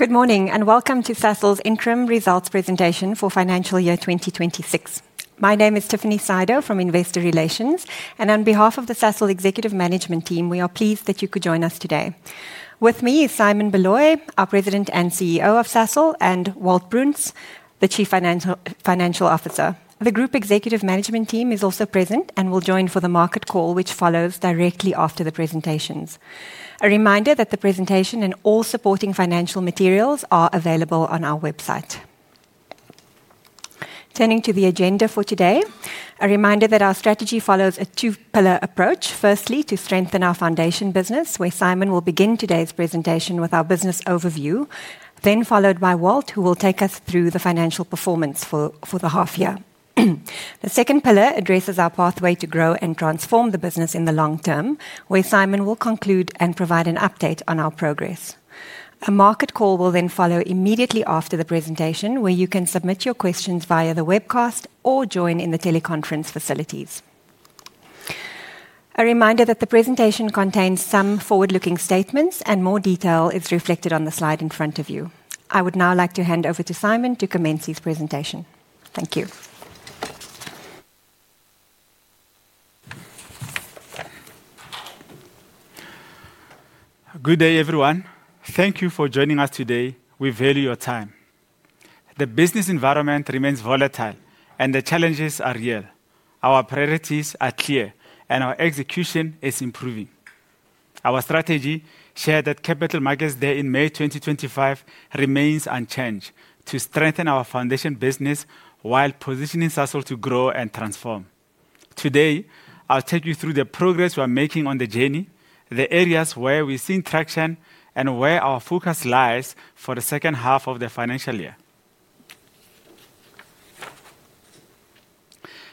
Good morning, welcome to Sasol's Interim Results Presentation for Financial Year 2026. My name is Tiffany Sydow from Investor Relations, and on behalf of the Sasol executive management team, we are pleased that you could join us today. With me is Simon Baloyi, our President and CEO of Sasol, and Walt Bruns, the Chief Financial Officer. The group executive management team is also present and will join for the market call, which follows directly after the presentations. A reminder that the presentation and all supporting financial materials are available on our website. Turning to the agenda for today, a reminder that our strategy follows a two pillar approach. Firstly, to strengthen our foundation business, where Simon will begin today's presentation with our business overview, then followed by Walt, who will take us through the financial performance for the half year. The second pillar addresses our pathway to grow and transform the business in the long term, where Simon will conclude and provide an update on our progress. A market call will then follow immediately after the presentation, where you can submit your questions via the webcast or join in the teleconference facilities. A reminder that the presentation contains some forward-looking statements, and more detail is reflected on the slide in front of you. I would now like to hand over to Simon to commence his presentation. Thank you. Good day, everyone. Thank you for joining us today. We value your time. The business environment remains volatile, and the challenges are real. Our priorities are clear, and our execution is improving. Our strategy, shared at Capital Markets Day in May 2025, remains unchanged: to strengthen our foundation business while positioning Sasol to grow and transform. Today, I'll take you through the progress we're making on the journey, the areas where we're seeing traction, and where our focus lies for the second half of the financial year.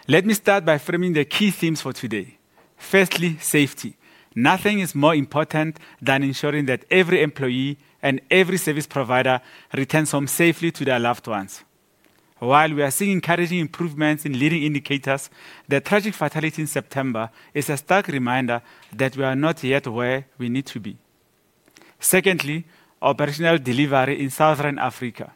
Let me start by framing the key themes for today. Firstly, safety. Nothing is more important than ensuring that every employee and every service provider returns home safely to their loved ones. While we are seeing encouraging improvements in leading indicators, the tragic fatality in September is a stark reminder that we are not yet where we need to be. Secondly, operational delivery in Southern Africa.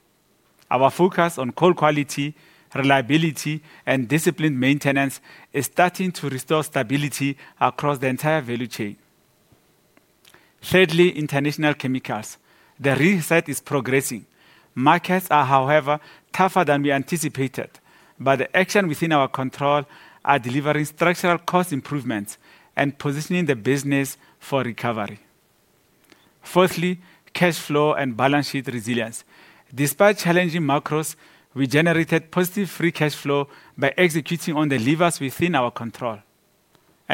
Our focus on coal quality, reliability, and disciplined maintenance is starting to restore stability across the entire value chain. Thirdly, International Chemicals. The reset is progressing. Markets are, however, tougher than we anticipated. The action within our control are delivering structural cost improvements and positioning the business for recovery. Fourthly, cash flow and balance sheet resilience. Despite challenging macros, we generated positive free cash flow by executing on the levers within our control.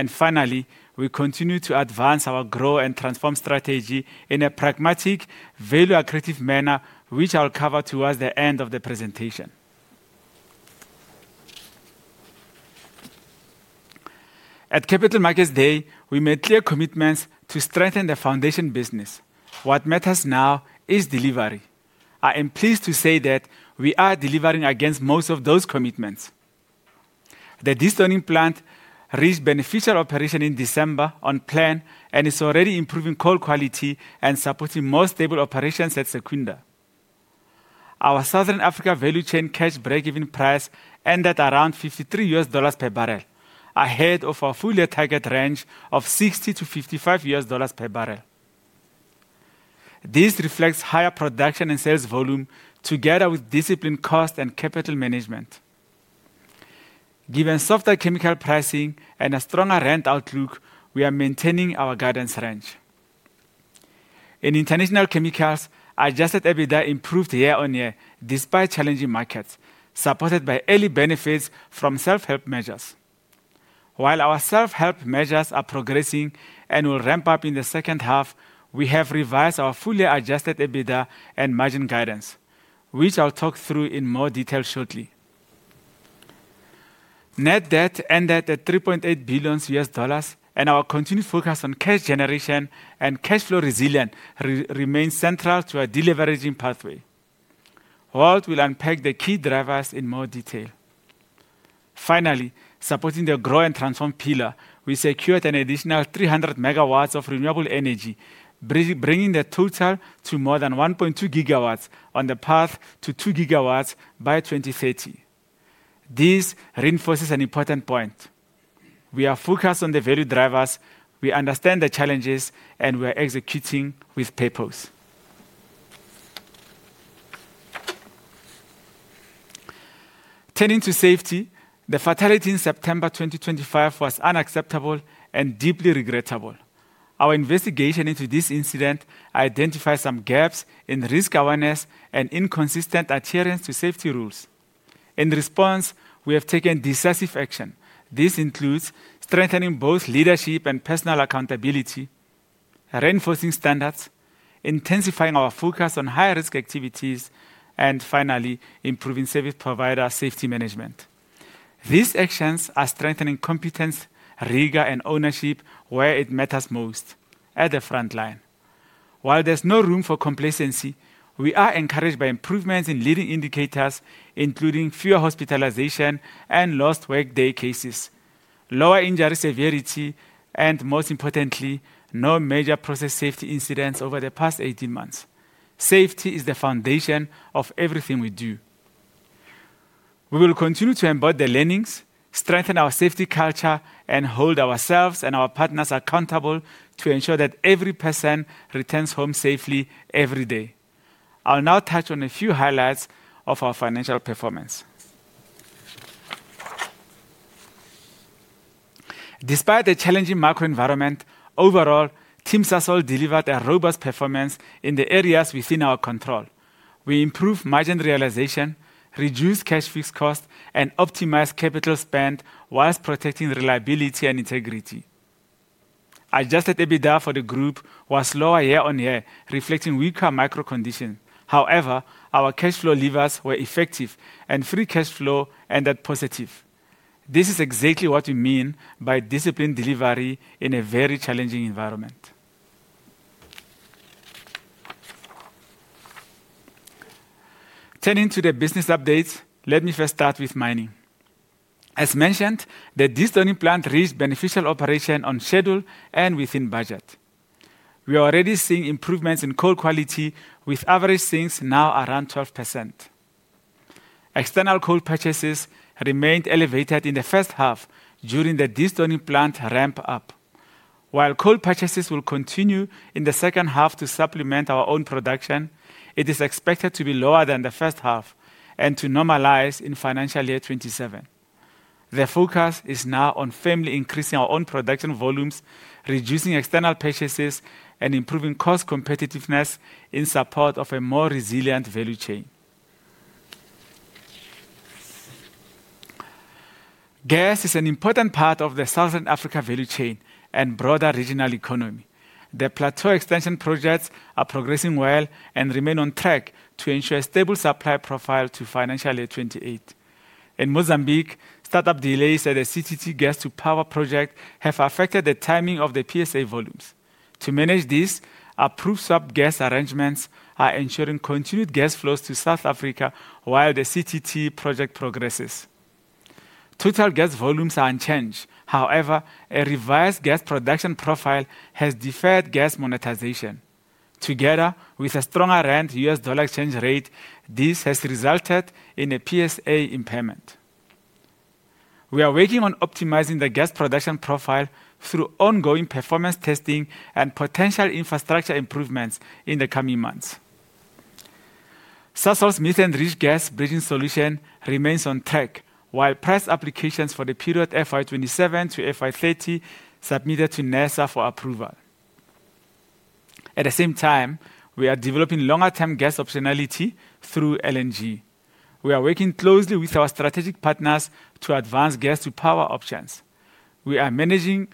Finally, we continue to advance our grow and transform strategy in a pragmatic, value-accretive manner, which I'll cover towards the end of the presentation. At Capital Markets Day, we made clear commitments to strengthen the foundation business. What matters now is delivery. I am pleased to say that we are delivering against most of those commitments. The de-stoning plant reached beneficial operation in December on plan and is already improving coal quality and supporting more stable operations at Secunda. Our Southern Africa value chain cash breakeven price ended around $53 per barrel, ahead of our full-year target range of $60-$55 per barrel. This reflects higher production and sales volume, together with disciplined cost and capital management. Given softer chemical pricing and a stronger rand outlook, we are maintaining our guidance range. In International Chemicals, Adjusted EBITDA improved year-on-year despite challenging markets, supported by early benefits from self-help measures. While our self-help measures are progressing and will ramp up in the second half, we have revised our fully Adjusted EBITDA and margin guidance, which I'll talk through in more detail shortly. Net debt ended at $3.8 billion, Our continued focus on cash generation and cash flow resilience remains central to our deleveraging pathway. Walt will unpack the key drivers in more detail. Finally, supporting the grow and transform pillar, we secured an additional 300 MG of renewable energy, bringing the total to more than 1.2 GW on the path to 2 GW by 2030. This reinforces an important point. We are focused on the value drivers, we understand the challenges, We are executing with purpose. Turning to safety, the fatality in September 2025 was unacceptable and deeply regrettable. Our investigation into this incident identified some gaps in risk awareness and inconsistent adherence to safety rules. In response, we have taken decisive action. This includes strengthening both leadership and personal accountability, reinforcing standards, intensifying our focus on high-risk activities, and finally, improving service provider safety management. These actions are strengthening competence, rigor, and ownership where it matters most, at the frontline. While there's no room for complacency, we are encouraged by improvements in leading indicators, including fewer hospitalizations and lost workday cases. Lower injury severity, and most importantly, no major process safety incidents over the past 18 months. Safety is the foundation of everything we do. We will continue to embed the learnings, strengthen our safety culture, and hold ourselves and our partners accountable to ensure that every person returns home safely every day. I'll now touch on a few highlights of our financial performance. Despite the challenging macro environment, overall, Team Sasol delivered a robust performance in the areas within our control. We improved margin realization, reduced cash fixed cost, and optimized capital spend whilst protecting reliability and integrity. Adjusted EBITDA for the group was lower year-on-year, reflecting weaker micro conditions. Our cash flow levers were effective and free cash flow ended positive. This is exactly what we mean by disciplined delivery in a very challenging environment. Turning to the business updates, let me first start with mining. As mentioned, the destoning plant reached beneficial operation on schedule and within budget. We are already seeing improvements in coal quality, with average sinks now around 12%. External coal purchases remained elevated in the first half during the destoning plant ramp-up. Coal purchases will continue in the second half to supplement our own production, it is expected to be lower than the first half and to normalize in financial year 2027. The focus is now on firmly increasing our own production volumes, reducing external purchases, and improving cost competitiveness in support of a more resilient value chain. Gas is an important part of the Southern Africa value chain and broader regional economy. The plateau extension projects are progressing well and remain on track to ensure a stable supply profile to financial year 2028. In Mozambique, startup delays at the CTT Gas-to-Power project have affected the timing of the PSA volumes. To manage this, approved sup gas arrangements are ensuring continued gas flows to South Africa while the CTT project progresses. Total gas volumes are unchanged. A revised gas production profile has deferred gas monetization. Together with a stronger rand U.S. dollar exchange rate, this has resulted in a PSA impairment. We are working on optimizing the gas production profile through ongoing performance testing and potential infrastructure improvements in the coming months. Sasol's mid and rich gas bridging solution remains on track, while price applications for the period FY 2027 to FY 2030 submitted to NERSA for approval. At the same time, we are developing longer-term gas optionality through LNG. We are working closely with our strategic partners to advance gas-to-power options. We are managing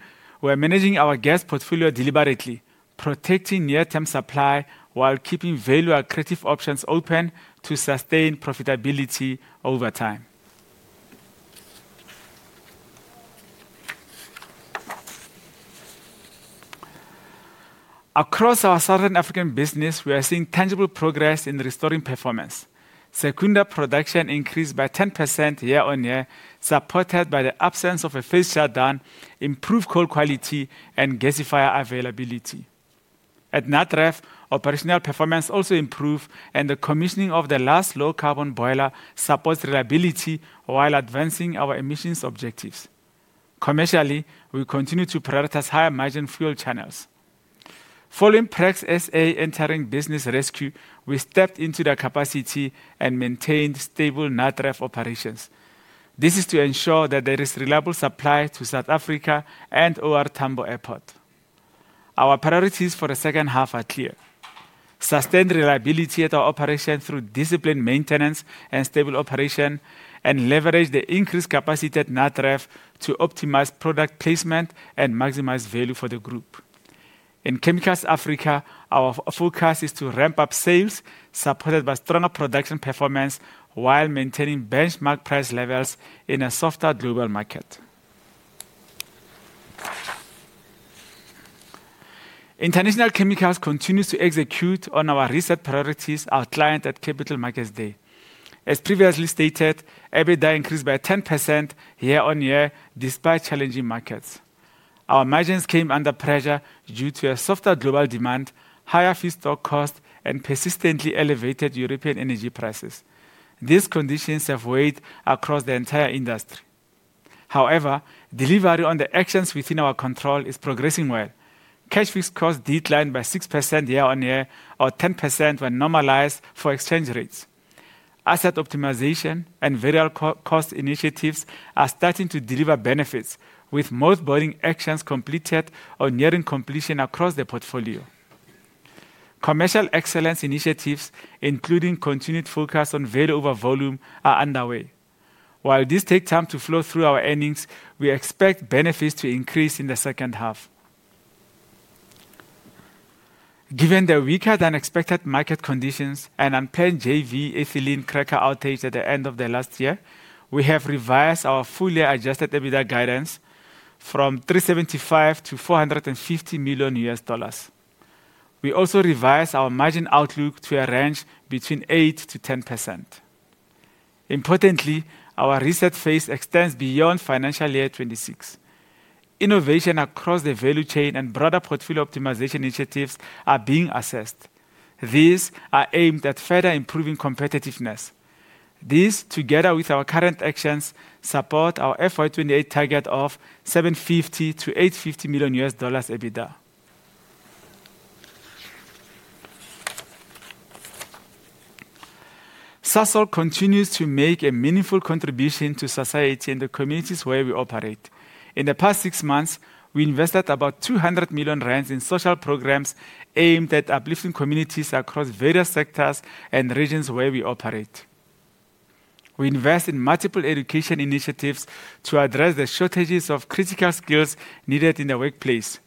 our gas portfolio deliberately, protecting near-term supply while keeping valuable accretive options open to sustain profitability over time. Across our Southern African business, we are seeing tangible progress in restoring performance. Secunda production increased by 10% year-on-year, supported by the absence of a phase shutdown, improved coal quality, and gasifier availability. At Natref, operational performance also improved, and the commissioning of the last low-carbon boiler supports reliability while advancing our emissions objectives. Commercially, we continue to prioritize higher-margin fuel channels. Following Prax SA entering business rescue, we stepped into their capacity and maintained stable Natref operations. This is to ensure that there is reliable supply to South Africa and OR Tambo Airport. Our priorities for the second half are clear: sustain reliability at our operations through disciplined maintenance and stable operation, and leverage the increased capacity at Natref to optimize product placement and maximize value for the group. In Chemicals Africa, our focus is to ramp up sales supported by stronger production performance while maintaining benchmark price levels in a softer global market. International Chemicals continues to execute on our recent priorities outlined at Capital Markets Day. As previously stated, EBITDA increased by 10% year-on-year, despite challenging markets. Our margins came under pressure due to a softer global demand, higher feedstock costs, and persistently elevated European energy prices. These conditions have weighed across the entire industry. However, delivery on the actions within our control is progressing well. Cash fixed costs declined by 6% year-on-year or 10% when normalized for exchange rates. Asset optimization and variable co- cost initiatives are starting to deliver benefits, with most borrowing actions completed or nearing completion across the portfolio. Commercial excellence initiatives, including continued focus on value over volume, are underway. While this takes time to flow through our earnings, we expect benefits to increase in the second half. Given the weaker-than-expected market conditions and unplanned JV ethylene cracker outage at the end of the last year, we have revised our full-year Adjusted EBITDA guidance from $375 million-$450 million. We also revised our margin outlook to a range between 8%-10%. Importantly, our reset phase extends beyond financial year 2026. Innovation across the value chain and broader portfolio optimization initiatives are being assessed. These are aimed at further improving competitiveness. These, together with our current actions, support our FY 2028 target of $750 million-$850 million EBITDA. Sasol continues to make a meaningful contribution to society and the communities where we operate. In the past 6 months, we invested about 200 million rand in social programs aimed at uplifting communities across various sectors and regions where we operate. We invest in multiple education initiatives to address the shortages of critical skills needed in the workplace.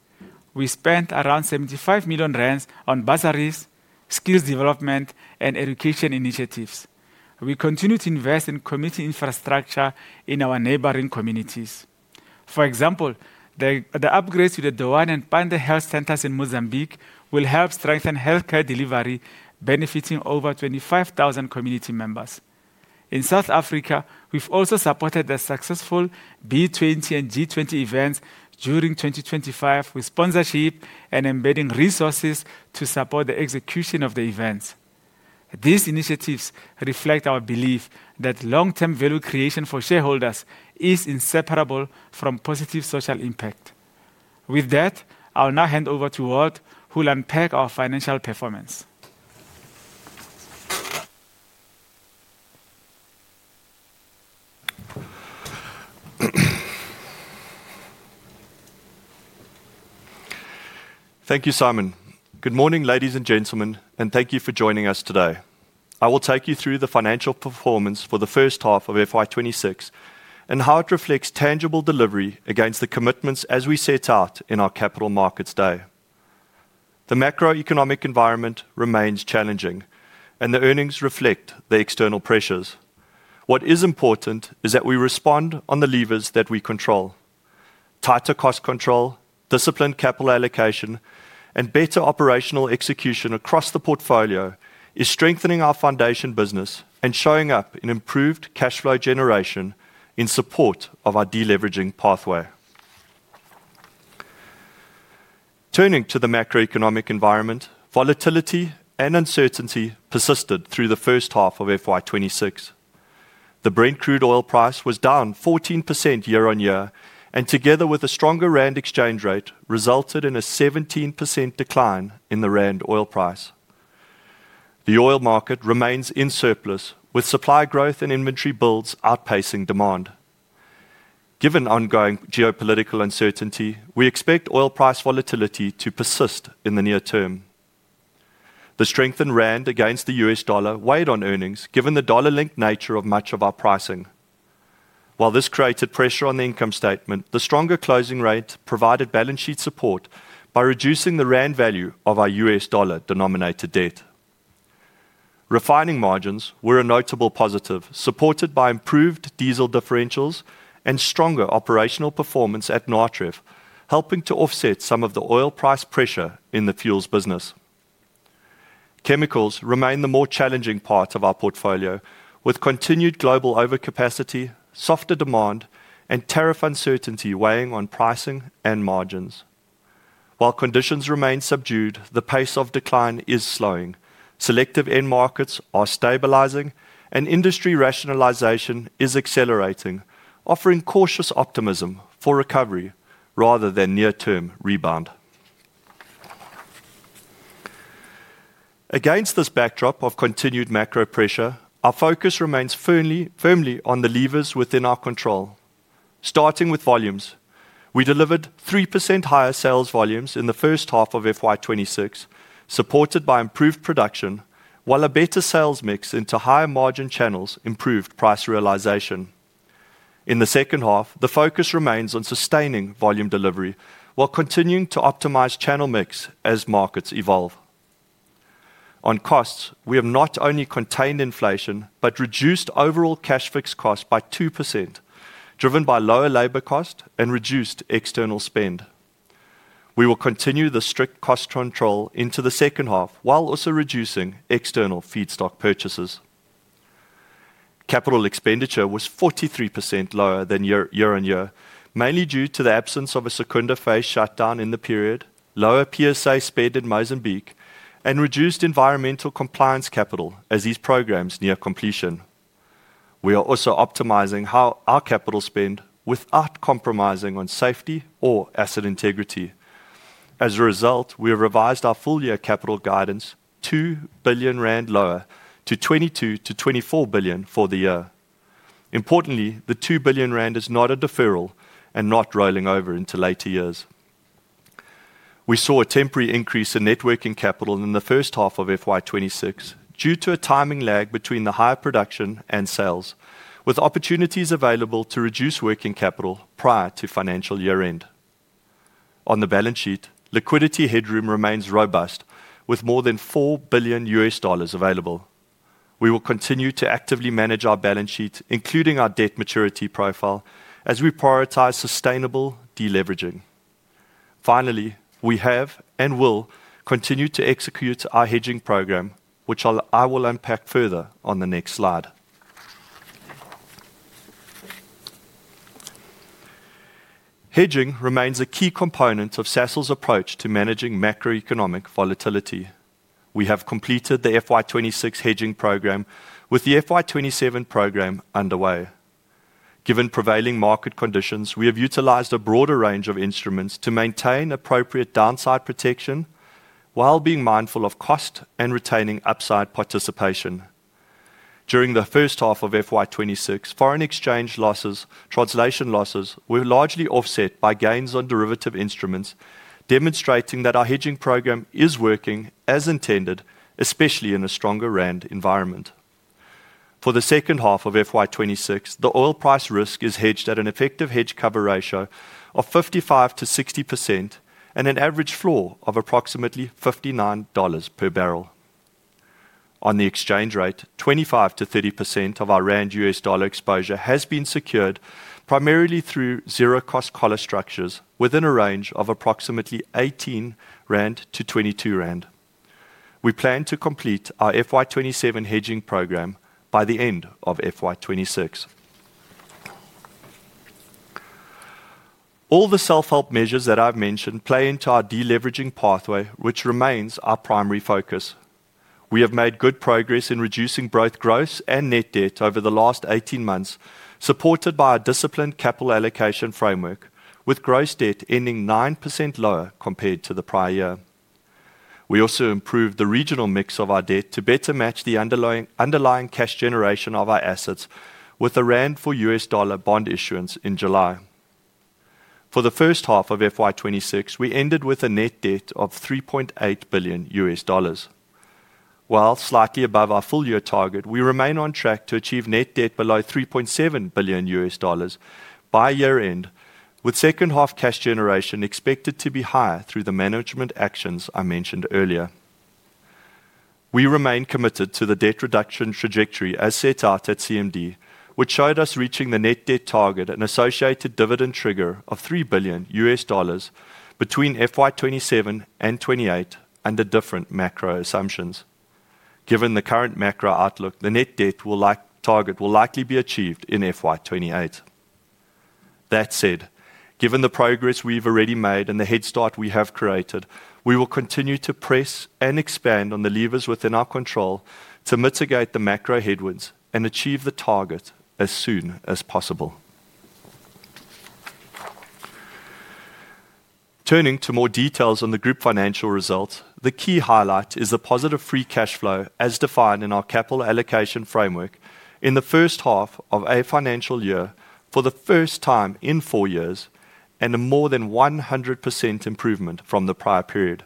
We spent around 75 million rand on bursaries, skills development, and education initiatives. We continue to invest in community infrastructure in our neighboring communities. For example, the upgrades to the Doane and Panda Health Centers in Mozambique will help strengthen healthcare delivery, benefiting over 25,000 community members. In South Africa, we've also supported the successful B20 and G20 events during 2025 with sponsorship and embedding resources to support the execution of the events. These initiatives reflect our belief that long-term value creation for shareholders is inseparable from positive social impact. With that, I'll now hand over to Walt, who'll unpack our financial performance. Thank you, Simon. Good morning, ladies and gentlemen, and thank you for joining us today. I will take you through the financial performance for the first half of FY 2026 and how it reflects tangible delivery against the commitments as we set out in our Capital Markets Day. The macroeconomic environment remains challenging, and the earnings reflect the external pressures. What is important is that we respond on the levers that we control. Tighter cost control, disciplined capital allocation, and better operational execution across the portfolio is strengthening our foundation business and showing up in improved cash flow generation in support of our deleveraging pathway. Turning to the macroeconomic environment, volatility and uncertainty persisted through the first half of FY 2026. The Brent crude oil price was down 14% year-on-year, and together with a stronger rand exchange rate, resulted in a 17% decline in the rand oil price. The oil market remains in surplus, with supply growth and inventory builds outpacing demand. Given ongoing geopolitical uncertainty, we expect oil price volatility to persist in the near term. The strengthened rand against the U.S. dollar weighed on earnings, given the dollar-linked nature of much of our pricing. While this created pressure on the income statement, the stronger closing rate provided balance sheet support by reducing the rand value of our U.S. dollar-denominated debt. Refining margins were a notable positive, supported by improved diesel differentials and stronger operational performance at Natref, helping to offset some of the oil price pressure in the fuels business. Chemicals remain the more challenging part of our portfolio, with continued global overcapacity, softer demand, and tariff uncertainty weighing on pricing and margins. While conditions remain subdued, the pace of decline is slowing. Selective end markets are stabilizing, and industry rationalization is accelerating, offering cautious optimism for recovery rather than near-term rebound. Against this backdrop of continued macro pressure, our focus remains firmly, firmly on the levers within our control. Starting with volumes, we delivered 3% higher sales volumes in the first half of FY 2026, supported by improved production, while a better sales mix into higher-margin channels improved price realization. In the second half, the focus remains on sustaining volume delivery while continuing to optimize channel mix as markets evolve. On costs, we have not only contained inflation but reduced overall cash fixed costs by 2%, driven by lower labor cost and reduced external spend. We will continue the strict cost control into the second half, while also reducing external feedstock purchases. Capital expenditure was 43% lower year-on-year, mainly due to the absence of a Secunda phase shutdown in the period, lower PSA spend in Mozambique, and reduced environmental compliance capital as these programs near completion. We are also optimizing how our capital spend without compromising on safety or asset integrity. As a result, we have revised our full-year capital guidance 2 billion rand lower to 22 billion-24 billion for the year. Importantly, the 2 billion rand is not a deferral and not rolling over into later years. We saw a temporary increase in net working capital in the first half of FY 2026 due to a timing lag between the higher production and sales, with opportunities available to reduce working capital prior to financial year-end. On the balance sheet, liquidity headroom remains robust, with more than $4 billion available. We will continue to actively manage our balance sheet, including our debt maturity profile, as we prioritize sustainable deleveraging. Finally, we have and will continue to execute our hedging program, which I will unpack further on the next slide. Hedging remains a key component of Sasol's approach to managing macroeconomic volatility. We have completed the FY 2026 hedging program, with the FY 2027 program underway. Given prevailing market conditions, we have utilized a broader range of instruments to maintain appropriate downside protection while being mindful of cost and retaining upside participation. During the first half of FY 2026, foreign exchange losses, translation losses were largely offset by gains on derivative instruments, demonstrating that our hedging program is working as intended, especially in a stronger rand environment. For the second half of FY 2026, the oil price risk is hedged at an effective hedge cover ratio of 55%-60% and an average floor of approximately $59 per barrel. On the exchange rate, 25%-30% of our rand-U.S. dollar exposure has been secured, primarily through zero-cost collar structures within a range of approximately 18-22 rand. We plan to complete our FY 2027 hedging program by the end of FY 2026. All the self-help measures that I've mentioned play into our deleveraging pathway, which remains our primary focus. We have made good progress in reducing both gross and net debt over the last 18 months, supported by our disciplined capital allocation framework, with gross debt ending 9% lower compared to the prior year. We also improved the regional mix of our debt to better match the underlying, underlying cash generation of our assets with a rand for U.S. dollar bond issuance in July. For the first half of FY 2026, we ended with a net debt of $3.8 billion. While slightly above our full-year target, we remain on track to achieve net debt below $3.7 billion by year-end, with second-half cash generation expected to be higher through the management actions I mentioned earlier. We remain committed to the debt reduction trajectory as set out at CMD, which showed us reaching the net debt target and associated dividend trigger of $3 billion between FY 2027 and 2028 under different macro assumptions. Given the current macro outlook, the net debt target will likely be achieved in FY 2028. That said, given the progress we've already made and the head start we have created, we will continue to press and expand on the levers within our control to mitigate the macro headwinds and achieve the target as soon as possible. Turning to more details on the group financial results, the key highlight is the positive free cash flow, as defined in our capital allocation framework in the first half of a financial year for the first time in 4 years and a more than 100% improvement from the prior period.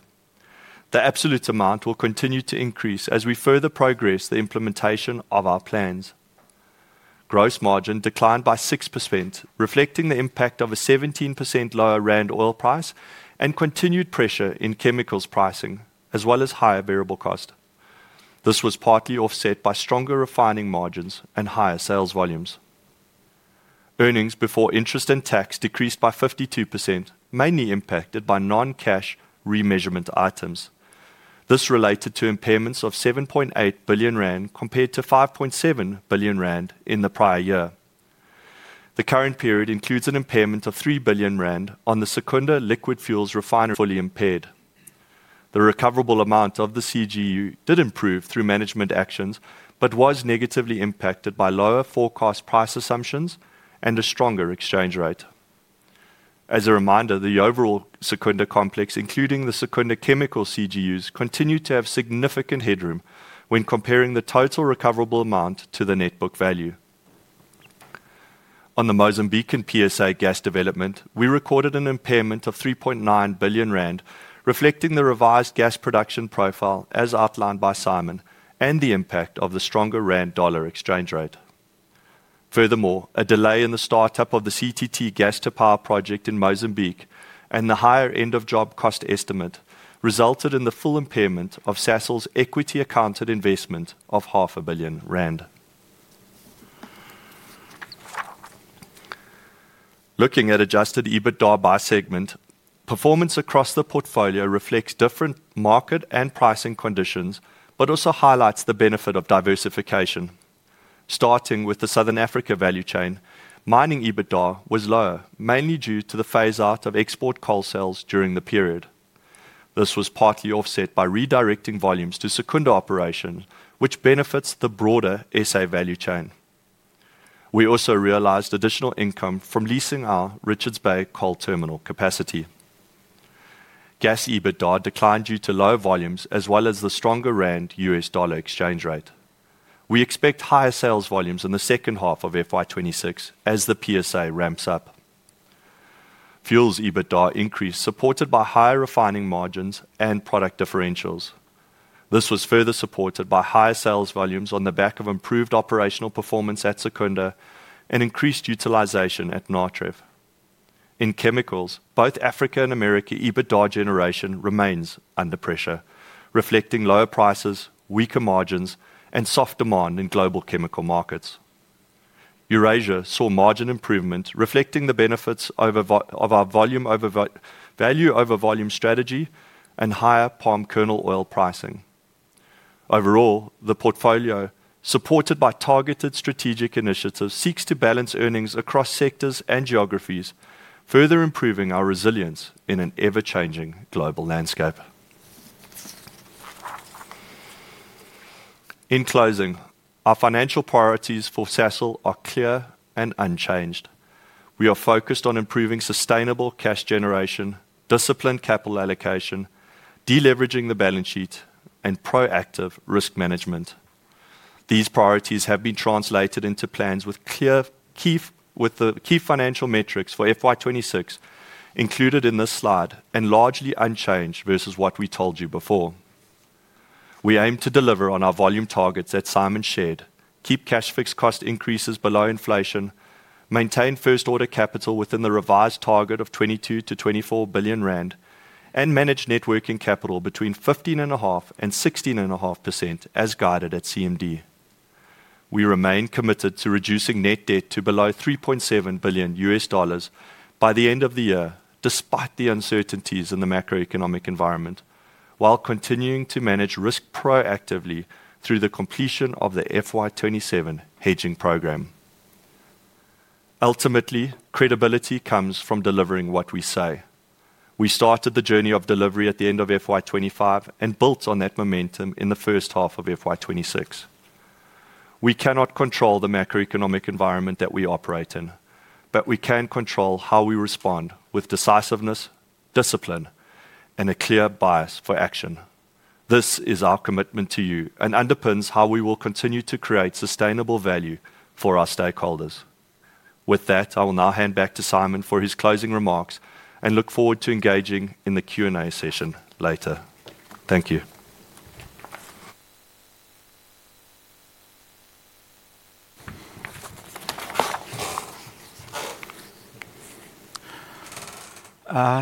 The absolute amount will continue to increase as we further progress the implementation of our plans. Gross margin declined by 6%, reflecting the impact of a 17% lower Rand oil price and continued pressure in chemicals pricing, as well as higher variable cost. This was partly offset by stronger refining margins and higher sales volumes. Earnings before interest and tax decreased by 52%, mainly impacted by non-cash remeasurement items. This related to impairments of 7.8 billion rand, compared to 5.7 billion rand in the prior year. The current period includes an impairment of 3 billion rand on the Secunda Liquid Fuels Refinery fully impaired. The recoverable amount of the CGU did improve through management actions, but was negatively impacted by lower forecast price assumptions and a stronger exchange rate. As a reminder, the overall Secunda complex, including the Secunda chemical CGUs, continue to have significant headroom when comparing the total recoverable amount to the net book value. On the Mozambican PSA gas development, we recorded an impairment of 3.9 billion rand, reflecting the revised gas production profile, as outlined by Simon, and the impact of the stronger rand-dollar exchange rate. A delay in the startup of the CTT Gas-to-Power project in Mozambique and the higher end-of-job cost estimate resulted in the full impairment of Sasol's equity accounted investment of ZAR 500 million. Looking at Adjusted EBITDA by segment, performance across the portfolio reflects different market and pricing conditions, but also highlights the benefit of diversification. Starting with the Southern Africa value chain, mining EBITDA was lower, mainly due to the phaseout of export coal sales during the period. This was partly offset by redirecting volumes to Secunda Operations, which benefits the broader SA value chain. We also realized additional income from leasing our Richards Bay coal terminal capacity. Gas EBITDA declined due to lower volumes as well as the stronger rand-U.S. dollar exchange rate. We expect higher sales volumes in the second half of FY 2026 as the PSA ramps up. Fuels EBITDA increased, supported by higher refining margins and product differentials. This was further supported by higher sales volumes on the back of improved operational performance at Secunda and increased utilization at Natref. In chemicals, both Africa and America, EBITDA generation remains under pressure, reflecting lower prices, weaker margins, and soft demand in global chemical markets. Eurasia saw margin improvement, reflecting the benefits of our value over volume strategy and higher palm kernel oil pricing. Overall, the portfolio, supported by targeted strategic initiatives, seeks to balance earnings across sectors and geographies, further improving our resilience in an ever-changing global landscape. In closing, our financial priorities for Sasol are clear and unchanged. We are focused on improving sustainable cash generation, disciplined capital allocation, de-leveraging the balance sheet, and proactive risk management. These priorities have been translated into plans with clear key with the key financial metrics for FY 2026 included in this slide and largely unchanged versus what we told you before. We aim to deliver on our volume targets that Simon shared, keep cash fixed cost increases below inflation, maintain first order capital within the revised target of 22 billion-24 billion rand, and manage net working capital between 15.5% and 16.5%, as guided at CMD. We remain committed to reducing net debt to below $3.7 billion by the end of the year, despite the uncertainties in the macroeconomic environment, while continuing to manage risk proactively through the completion of the FY 2027 hedging program. Ultimately, credibility comes from delivering what we say. We started the journey of delivery at the end of FY 2025 and built on that momentum in the first half of FY 2026. We cannot control the macroeconomic environment that we operate in, but we can control how we respond with decisiveness, discipline, and a clear bias for action. This is our commitment to you and underpins how we will continue to create sustainable value for our stakeholders. With that, I will now hand back to Simon for his closing remarks and look forward to engaging in the Q&A session later. Thank you.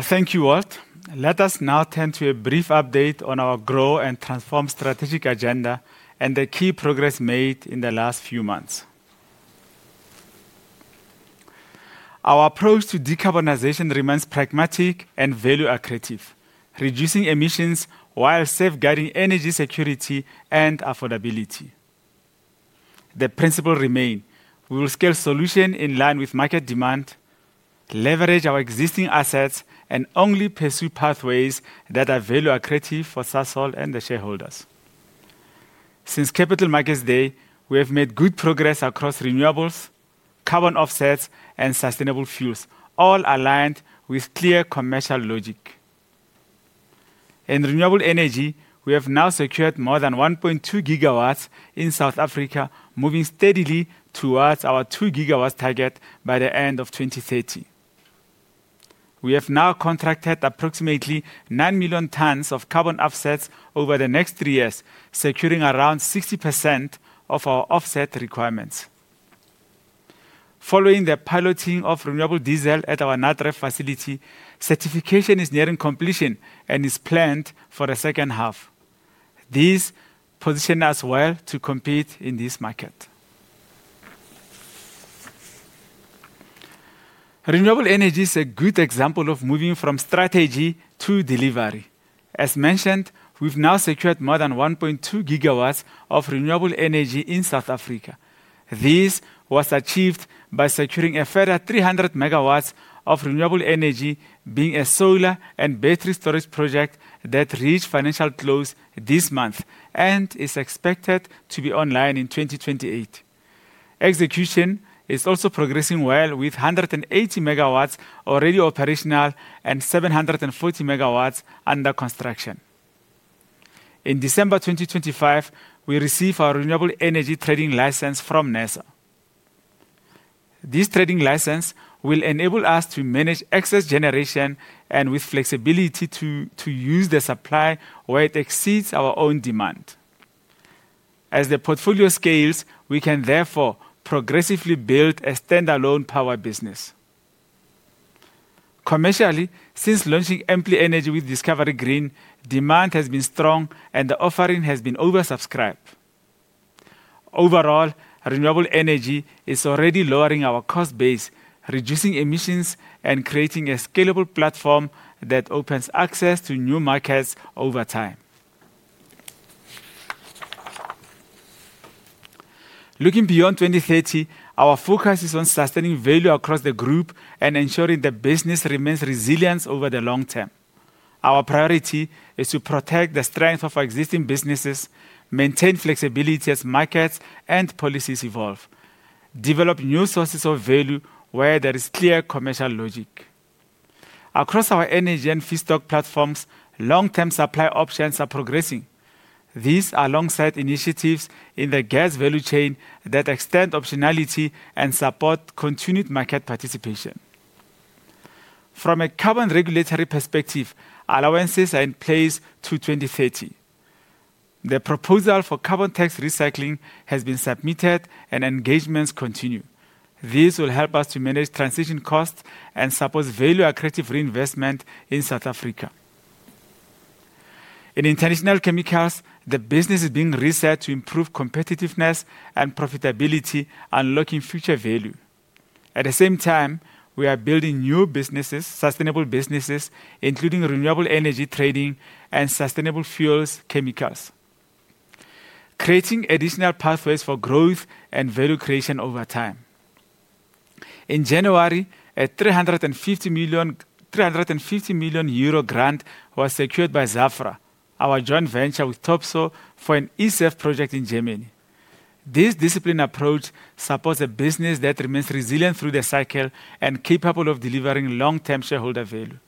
Thank you, Walt. Let us now turn to a brief update on our grow and transform strategic agenda and the key progress made in the last few months. Our approach to decarbonization remains pragmatic and value accretive, reducing emissions while safeguarding energy security and affordability. The principle remain: we will scale solution in line with market demand, leverage our existing assets, and only pursue pathways that are value accretive for Sasol and the shareholders. Since Capital Markets Day, we have made good progress across renewables, carbon offsets, and sustainable fuels, all aligned with clear commercial logic. In renewable energy, we have now secured more than 1.2 GW in South Africa, moving steadily towards our 2 GW target by the end of 2030. We have now contracted approximately 9 million tons of carbon offsets over the next three years, securing around 60% of our offset requirements. Following the piloting of Renewable Diesel at our Natref facility, certification is nearing completion and is planned for the second half. This position us well to compete in this market. Renewable energy is a good example of moving from strategy to delivery. As mentioned, we've now secured more than 1.2 GW of renewable energy in South Africa. This was achieved by securing a further 300 MG of renewable energy, being a solar and battery storage project that reached financial close this month and is expected to be online in 2028. Execution is also progressing well, with 180 MG already operational and 740 MG under construction. In December 2025, we received our renewable energy trading license from NERSA. This trading license will enable us to manage excess generation and with flexibility to use the supply where it exceeds our own demand. As the portfolio scales, we can therefore progressively build a standalone power business. Commercially, since launching Ample Energy with Discovery Green, demand has been strong, and the offering has been oversubscribed. Overall, renewable energy is already lowering our cost base, reducing emissions, and creating a scalable platform that opens access to new markets over time. Looking beyond 2030, our focus is on sustaining value across the group and ensuring the business remains resilient over the long term. Our priority is to protect the strength of our existing businesses, maintain flexibility as markets and policies evolve, develop new sources of value where there is clear commercial logic. Across our energy and feedstock platforms, long-term supply options are progressing. These are alongside initiatives in the gas value chain that extend optionality and support continued market participation. From a carbon regulatory perspective, allowances are in place to 2030.... The proposal for carbon tax recycling has been submitted and engagements continue. This will help us to manage transition costs and support value accretive reinvestment in South Africa. In International Chemicals, the business is being reset to improve competitiveness and profitability, unlocking future value. At the same time, we are building new businesses, sustainable businesses, including renewable energy trading and sustainable fuels chemicals, creating additional pathways for growth and value creation over time. In January, a 350 million euro, 350 million euro grant was secured by Zaffra, our joint venture with Topsoe, for an eSAF project in Germany. This disciplined approach supports a business that remains resilient through the cycle and capable of delivering long-term shareholder value.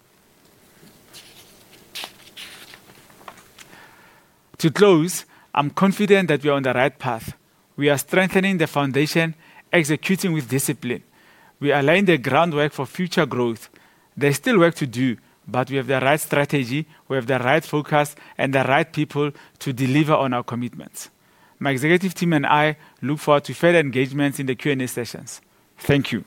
To close, I'm confident that we are on the right path. We are strengthening the foundation, executing with discipline. We are laying the groundwork for future growth. There's still work to do, but we have the right strategy, we have the right focus, and the right people to deliver on our commitments. My executive team and I look forward to further engagements in the Q&A sessions. Thank you.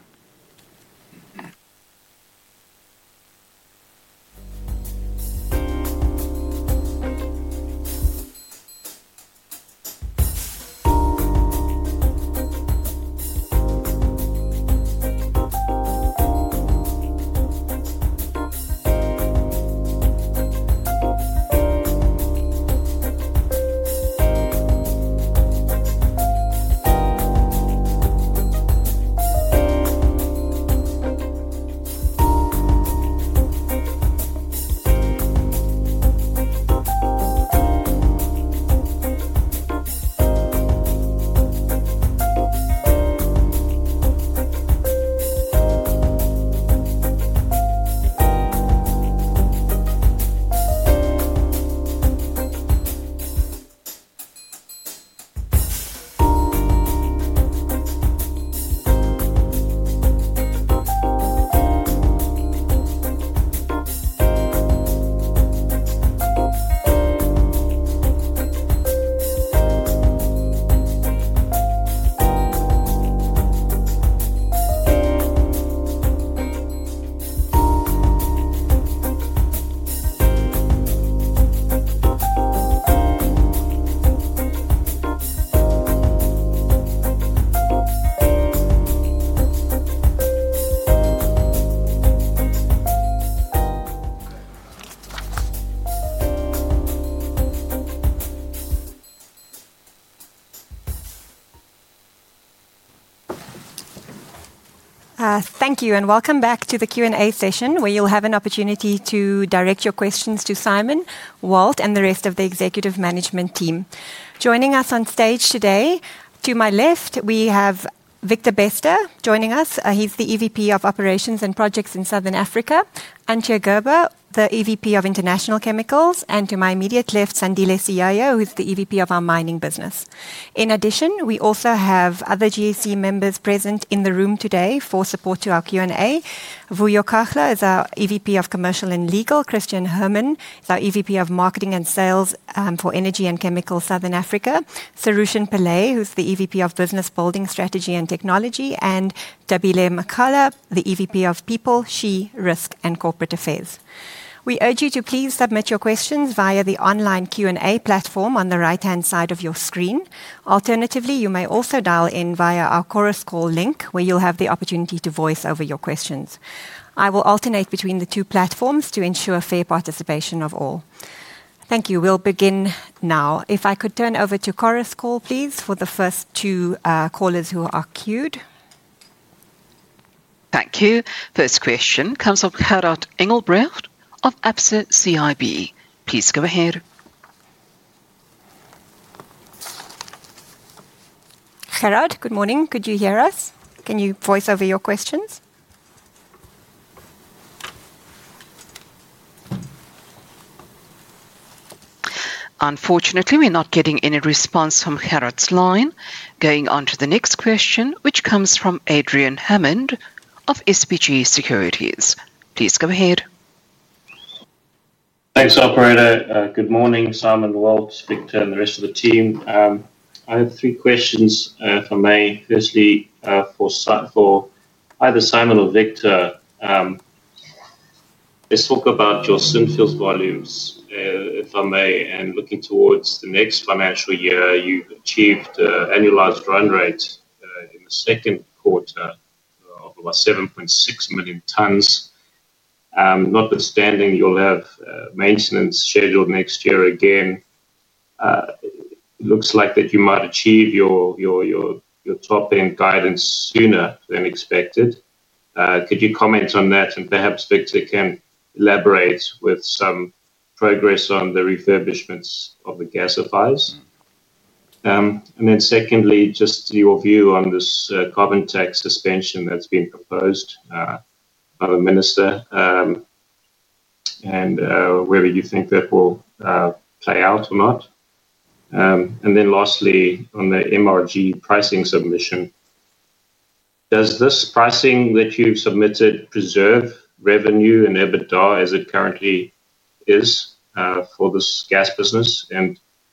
Thank you, welcome back to the Q&A session, where you'll have an opportunity to direct your questions to Simon, Walt, and the rest of the executive management team. Joining us on stage today, to my left, we have Victor Bester joining us. He's the EVP of Operations and Projects in Southern Africa. Antje Gerber, the EVP of International Chemicals, and to my immediate left, Sandile Siyaya, who's the EVP of our Mining business. In addition, we also have other GAC members present in the room today for support to our Q&A. Vuyo Kahla is our EVP of Commercial and Legal. Christian Herrmann, the EVP of Marketing and Sales, for Energy and Chemicals, Southern Africa. Sarushen Pillay, who's the EVP of Business Building Strategy and Technology, and Thabile Makgala, the EVP of People, SHE, Risk, and Corporate Affairs. We urge you to please submit your questions via the online Q&A platform on the right-hand side of your screen. Alternatively, you may also dial in via our Chorus Call link, where you'll have the opportunity to voice over your questions. I will alternate between the two platforms to ensure fair participation of all. Thank you. We'll begin now. If I could turn over to Chorus Call, please, for the first two callers who are queued. Thank you. First question comes from Gerhard Engelbrecht of Absa CIB. Please go ahead. Gerhard, good morning. Could you hear us? Can you voice over your questions? Unfortunately, we're not getting any response from Gerhard's line. Going on to the next question, which comes from Adrian Hammond of SBG Securities. Please go ahead. Thanks, Operator. Good morning, Simon, Walt, Victor, and the rest of the team. I have three questions, if I may. Firstly, for either Simon or Victor, let's talk about your Synfuels volumes, if I may, and looking towards the next financial year, you've achieved annualized run rate in the second quarter of about 7.6 million tons. Notwithstanding, you'll have maintenance scheduled next year again. It looks like that you might achieve your top-end guidance sooner than expected. Could you comment on that? Perhaps Victor can elaborate with some progress on the refurbishments of the gasifiers. Secondly, just your view on this carbon tax suspension that's been proposed by the minister, whether you think that will play out or not. Then lastly, on the MRG pricing submission. Does this pricing that you've submitted preserve revenue and EBITDA as it currently is for this gas business?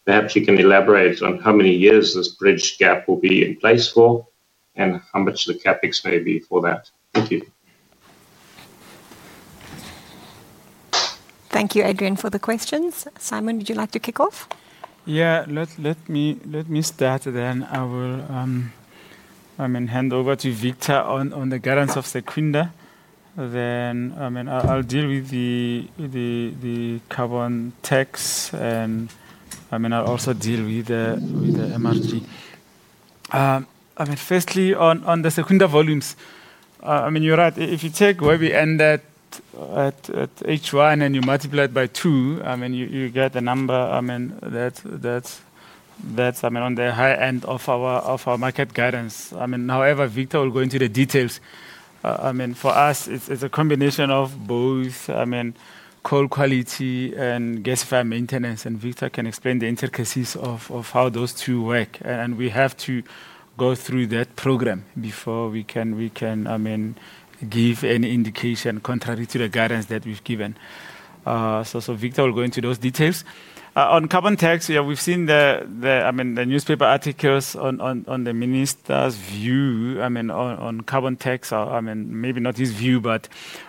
Perhaps you can elaborate on how many years this bridge gap will be in place for, and how much the CapEx may be for that. Thank you. Thank you, Adrian, for the questions. Simon, would you like to kick off? Yeah. Let me start. I will, I mean, hand over to Victor on the guidance of Secunda. I mean, I'll deal with the carbon tax, and I mean, I'll also deal with the MRG. I mean, firstly on the Secunda volumes, I mean, you're right. If you take where we end at H1 and you multiply it by 2, I mean, you get a number, I mean, that's, I mean, on the high end of our market guidance. I mean, however, Victor will go into the details. I mean, for us, it's, it's a combination of both, I mean, coal quality and gasifier maintenance, and Victor can explain the intricacies of, of how those two work, and we have to go through that program before we can, we can, I mean, give any indication contrary to the guidance that we've given. Victor will go into those details. On carbon tax, yeah, we've seen the, the, I mean, the newspaper articles on, on, on the minister's view, I mean, on, on carbon tax. I mean, maybe not his view, but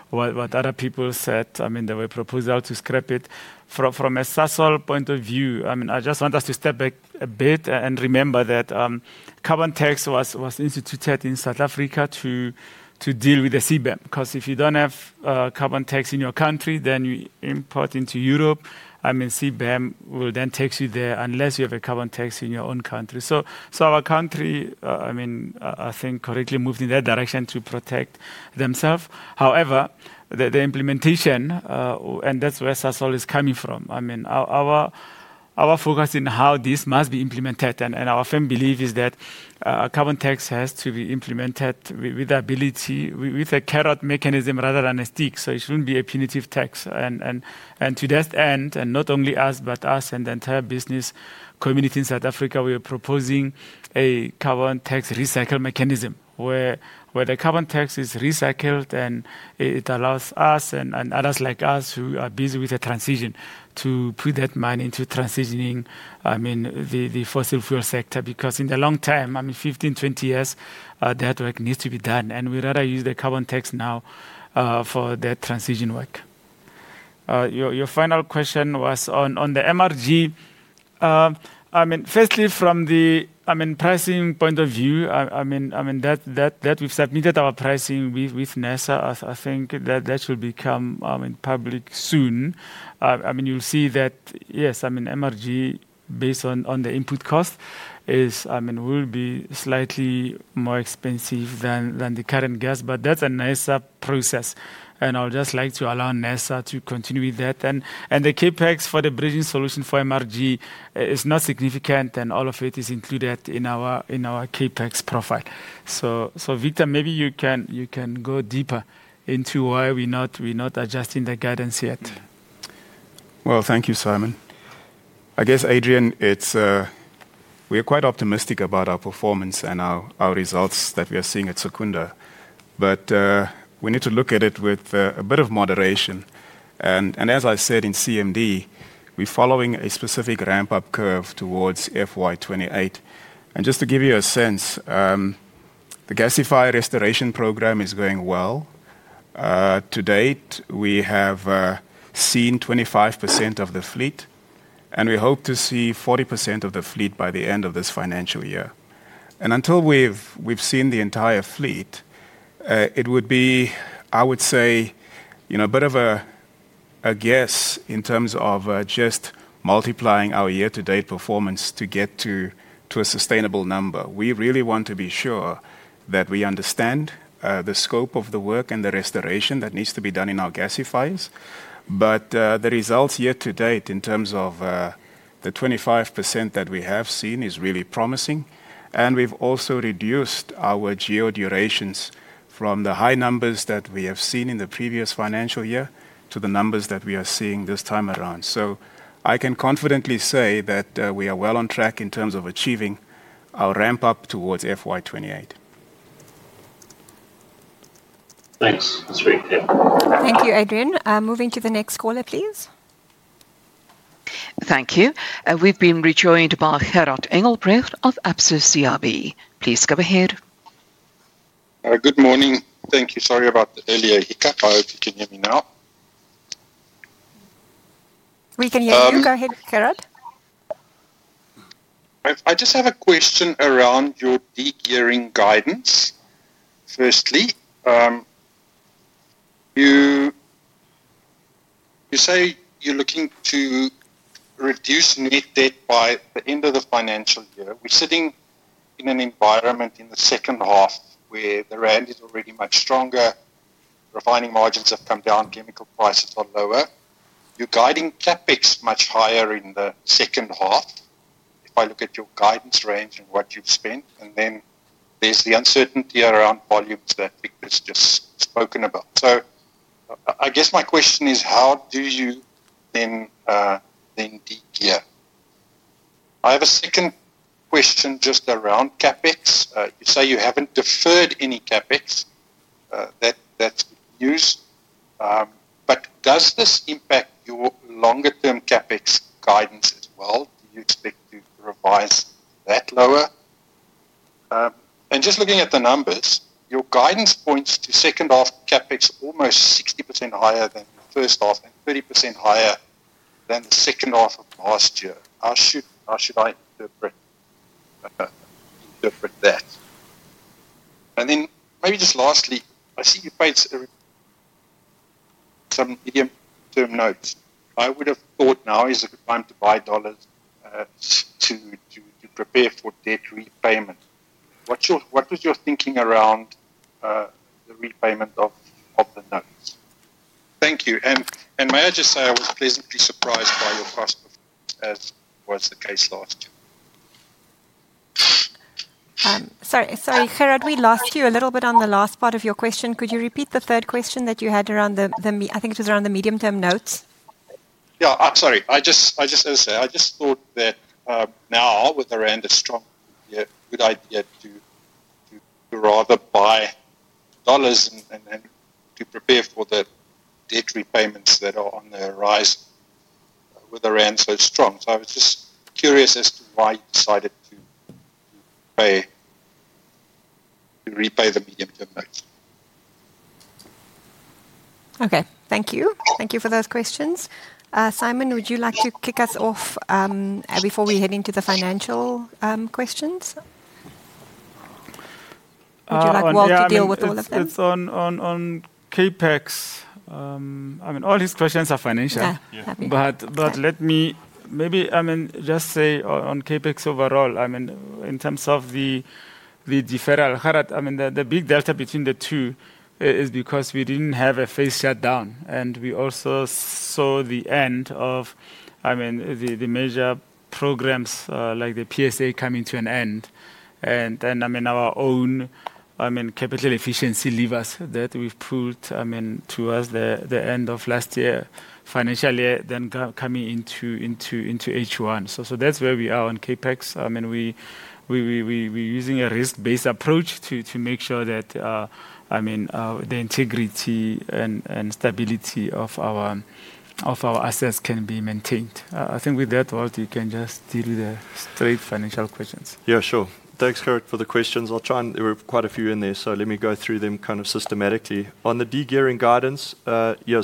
what, what other people said. I mean, there were proposal to scrap it. From, from a Sasol point of view, I mean, I just want us to step back a bit and remember that carbon tax was, was instituted in South Africa to, to deal with the CBAM. 'Cause if you don't have carbon tax in your country, then you import into Europe, I mean, CBAM will then tax you there unless you have a carbon tax in your own country. Our country, I mean, I, I think, correctly moved in that direction to protect themselves. However, the, the implementation, and that's where Sasol is coming from. I mean, our, our, our focus in how this must be implemented and, and our firm belief is that carbon tax has to be implemented with ability, with a carrot mechanism rather than a stick, so it shouldn't be a punitive tax. To that end, not only us, but us and the entire business community in South Africa, we are proposing a carbon tax recycling mechanism, where, where the carbon tax is recycled, and it allows us and others like us who are busy with the transition to put that money into transitioning, I mean, the, the fossil fuel sector. In the long term, I mean, 15, 20 years, that work needs to be done, and we'd rather use the carbon tax now for that transition work. Your, your final question was on, on the MRG. I mean, firstly, from the, I mean, pricing point of view, I, I mean, I mean, that, that, that we've submitted our pricing with, with NERSA. I, I think that that should become, I mean, public soon. I mean, you'll see that, yes, I mean, MRG, based on, on the input cost, I mean, will be slightly more expensive than the current gas, but that's a NERSA process, and I'd just like to allow NERSA to continue with that. The CapEx for the bridging solution for MRG is not significant, and all of it is included in our CapEx profile. Victor, maybe you can go deeper into why we're not adjusting the guidance yet. Well, thank you, Simon. I guess, Adrian, it's. We are quite optimistic about our performance and our results that we are seeing at Secunda. We need to look at it with a bit of moderation. And as I said in CMD, we're following a specific ramp-up curve towards FY 2028. Just to give you a sense, the gasifier restoration program is going well. To date, we have seen 25% of the fleet, and we hope to see 40% of the fleet by the end of this financial year. Until we've seen the entire fleet, it would be, I would say, you know, a bit of a guess in terms of just multiplying our year-to-date performance to get to a sustainable number. We really want to be sure that we understand the scope of the work and the restoration that needs to be done in our gasifiers. The results year-to-date, in terms of the 25% that we have seen, is really promising, and we've also reduced our geo durations from the high numbers that we have seen in the previous financial year to the numbers that we are seeing this time around. I can confidently say that we are well on track in terms of achieving our ramp-up towards FY 2028. Thanks. That's great. Yeah. Thank you, Adrian. Moving to the next caller, please. Thank you. We've been rejoined by Gerhard Engelbrecht of Absa CIB. Please go ahead. Good morning. Thank you. Sorry about the earlier hiccup. I hope you can hear me now. We can hear you. Um- Go ahead, Gerhard. I just have a question around your de-gearing guidance. Firstly, you say you're looking to reduce net debt by the end of the financial year. We're sitting in an environment in the second half where the rand is already much stronger, refining margins have come down, chemical prices are lower. You're guiding CapEx much higher in the second half, if I look at your guidance range and what you've spent, and then there's the uncertainty around volumes that Victor's just spoken about. I guess my question is, how do you then de-gear? I have a second question just around CapEx. You say you haven't deferred any CapEx that's used. Does this impact your longer-term CapEx guidance as well? Do you expect to revise that lower? Just looking at the numbers, your guidance points to second half CapEx almost 60% higher than the first half and 30% higher than the second half of last year. How should I interpret that? Then maybe just lastly, I see you paid some medium-term notes. I would have thought now is a good time to buy dollars to prepare for debt repayment. What was your thinking around the repayment of the notes? Thank you. May I just say, I was pleasantly surprised by your cost, as was the case last year. Sorry, sorry, Gerhard, we lost you a little bit on the last part of your question. Could you repeat the third question that you had around I think it was around the Medium-Term Notes? Yeah, sorry. I just want to say, I just thought that, now, with the rand strong, be a good idea to rather buy dollars and to prepare for the debt repayments that are on the rise with the rand so strong. I was just curious as to why you decided to pay, to repay the medium-term notes. Okay. Thank you. Thank you for those questions. Simon, would you like to kick us off before we head into the financial questions? Uh, Would you like Walt to deal with all of them? It's, it's on, on, on CapEx. I mean, all these questions are financial. Yeah. Happy. Let me maybe, I mean, just say on, on CapEx overall, I mean, in terms of the, the deferral, Gerard, I mean, the, the big delta between the two is because we didn't have a phase shutdown, and we also saw the end of, I mean, the, the major programs, like the PSA coming to an end. Our own, I mean, capital efficiency levers that we've pulled, I mean, towards the, the end of last year, financial year, then coming into, into, into H1. That's where we are on CapEx. I mean, we, we, we, we're using a risk-based approach to, to make sure that, I mean, the integrity and, and stability of our, of our assets can be maintained. I think with that, Walt, you can just deal with the straight financial questions. Yeah, sure. Thanks, Gerhard, for the questions. I'll try. There were quite a few in there, let me go through them kind of systematically. On the degearing guidance, yeah,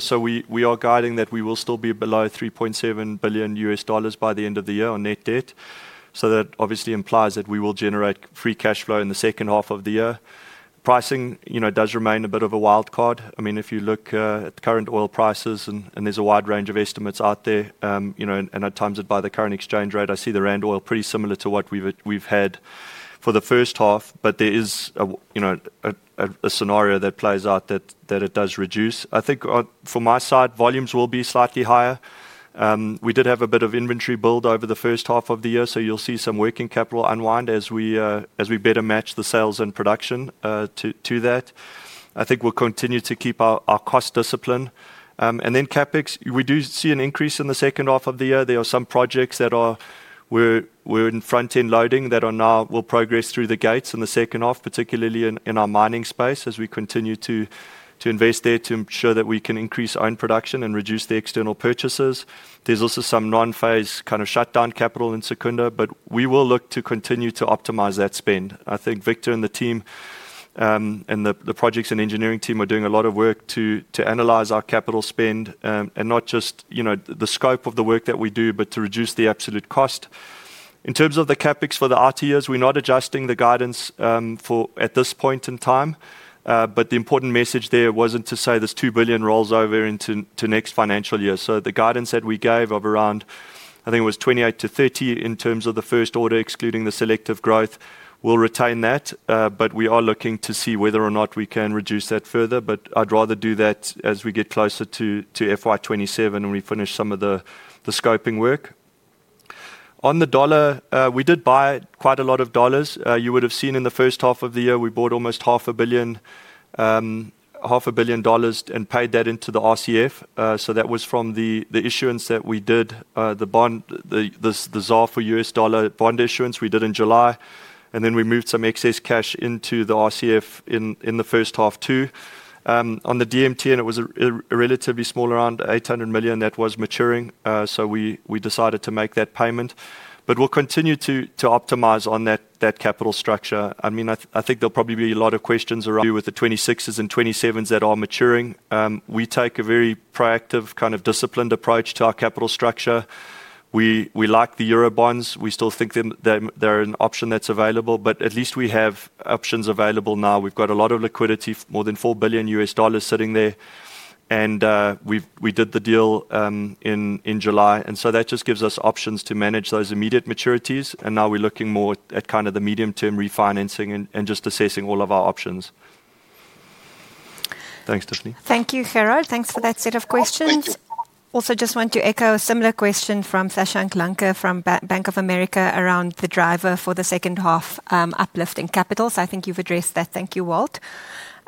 we are guiding that we will still be below $3.7 billion by the end of the year on net debt. That obviously implies that we will generate free cash flow in the second half of the year. Pricing, you know, does remain a bit of a wild card. I mean, if you look at the current oil prices and, and there's a wide range of estimates out there, you know, and, and at times by the current exchange rate, I see the rand oil pretty similar to what we've had for the first half. There is a, you know, a scenario that plays out that, that it does reduce. I think, from my side, volumes will be slightly higher. We did have a bit of inventory build over the first half of the year, so you'll see some working capital unwind as we better match the sales and production, to that. I think we'll continue to keep our, our cost discipline. Then CapEx, we do see an increase in the second half of the year. There are some projects that are, we're in front-end loading that are now will progress through the gates in the second half, particularly in, in our mining space, as we continue to, to invest there to ensure that we can increase own production and reduce the external purchases. There's also some non-phase kind of shutdown capital in Secunda. We will look to continue to optimize that spend. I think Victor and the team, and the, the projects and engineering team are doing a lot of work to, to analyze our capital spend, and not just, you know, the scope of the work that we do, but to reduce the absolute cost. In terms of the CapEx for the RTOs, we're not adjusting the guidance for at this point in time. The important message there wasn't to say this 2 billion rolls over into, to next financial year. The guidance that we gave of around, I think it was 28 billion-30 billion in terms of the first order, excluding the selective growth, we'll retain that. We are looking to see whether or not we can reduce that further, but I'd rather do that as we get closer to FY 2027 when we finish some of the scoping work. On the dollar, we did buy quite a lot of dollars. You would have seen in the first half of the year, we bought almost $500 million, $500 million and paid that into the RCF. That was from the issuance that we did, the bond, the ZAR for U.S. dollar bond issuance we did in July, and then we moved some excess cash into the RCF in the first half, too. On the DMTN, it was a relatively small, around $800 million that was maturing, we decided to make that payment. We'll continue to, to optimize on that, that capital structure. I mean, I, I think there'll probably be a lot of questions around with the 2026s and 2027s that are maturing. We take a very proactive, kind of disciplined approach to our capital structure. We, we like the EUR bonds. We still think them, them, they're an option that's available, but at least we have options available now. We've got a lot of liquidity, more than $4 billion sitting there, we've, we did the deal in July, so that just gives us options to manage those immediate maturities. Now we're looking more at, at kind of the medium-term refinancing and, and just assessing all of our options. Thanks, Tiffany. Thank you, Gerhard. Thanks for that set of questions. Thank you. Just want to echo a similar question from Sashank Lanka, from Bank of America, around the driver for the second half, uplifting capital. I think you've addressed that. Thank you, Walt.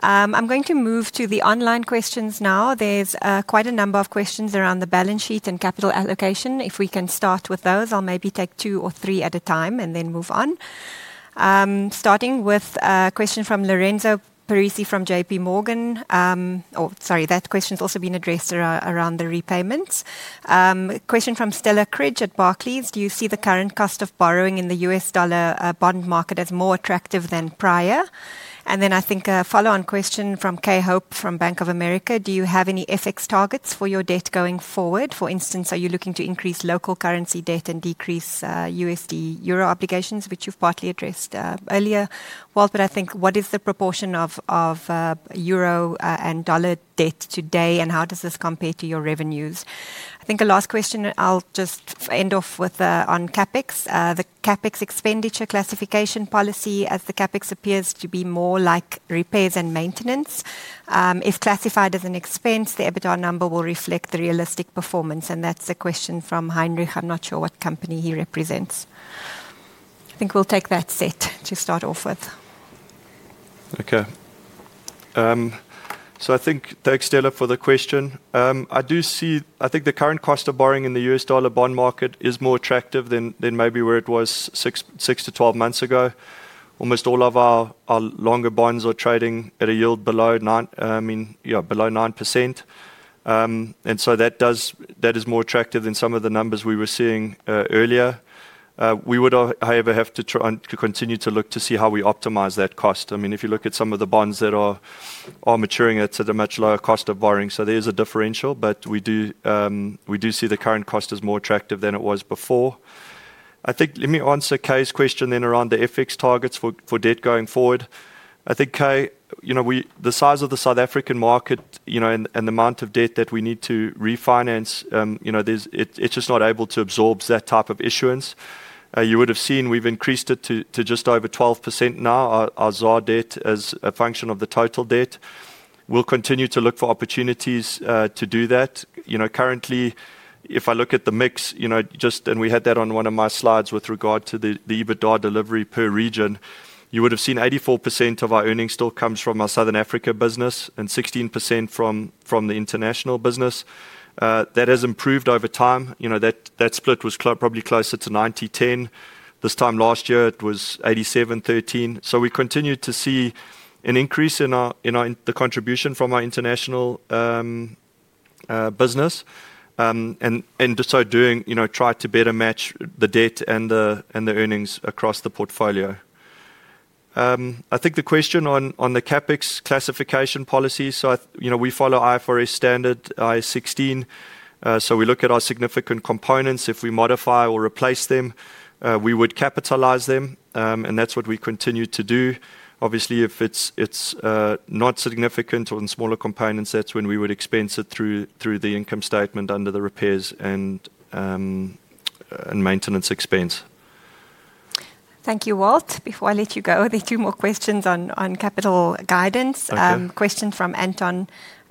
I'm going to move to the online questions now. There's quite a number of questions around the balance sheet and capital allocation. If we can start with those, I'll maybe take two or three at a time and then move on. Starting with a question from Lorenzo Parisi from JPMorgan. Oh, sorry, that question's also been addressed around the repayments. Question from Stella Cridge at Barclays: Do you see the current cost of borrowing in the U.S. dollar bond market as more attractive than prior? I think a follow-on question from Kay Hope from Bank of America: Do you have any FX targets for your debt going forward? For instance, are you looking to increase local currency debt and decrease USD/EUR obligations, which you've partly addressed earlier, Walt, what is the proportion of EUR and dollar debt today, and how does this compare to your revenues? I think the last question, I'll just end off with on CapEx. The CapEx expenditure classification policy as the CapEx appears to be more like repairs and maintenance. If classified as an expense, the EBITDA number will reflect the realistic performance, and that's a question from Heinrich. I'm not sure what company he represents. I think we'll take that set to start off with. Okay. I think, thanks, Stella, for the question. I do see... I think the current cost of borrowing in the U.S. dollar bond market is more attractive than, than maybe where it was six, six to 12 months ago. Almost all of our, our longer bonds are trading at a yield below 9%, I mean, yeah, below 9%. That is more attractive than some of the numbers we were seeing earlier. We would, however, have to try and to continue to look to see how we optimize that cost. I mean, if you look at some of the bonds that are, are maturing, it's at a much lower cost of borrowing. There is a differential, but we do, we do see the current cost is more attractive than it was before. I think, let me answer Kay's question then around the FX targets for debt going forward. I think, Kay, you know, we, the size of the South African market, you know, and the amount of debt that we need to refinance, you know, there's, it's just not able to absorb that type of issuance. You would have seen we've increased it to just over 12% now, our ZAR debt as a function of the total debt. We'll continue to look for opportunities to do that. You know, currently, if I look at the mix, you know, just, and we had that on one of my slides with regard to the EBITDA delivery per region. You would have seen 84% of our earnings still comes from our Southern Africa business and 16% from the international business. That has improved over time. You know, that, that split was probably closer to 90/10. This time last year, it was 87/13. We continue to see an increase in our, in our, in the contribution from our international business. Just so doing, you know, try to better match the debt and the, and the earnings across the portfolio. I think the question on, on the CapEx classification policy, you know, we follow IFRS standard, IFRS 16. We look at our significant components. If we modify or replace them, we would capitalize them, that's what we continue to do. Obviously, if it's, it's not significant on smaller components, that's when we would expense it through, through the income statement under the repairs and maintenance expense. Thank you, Walt. Before I let you go, there are two more questions on capital guidance. Okay. Question from Anton,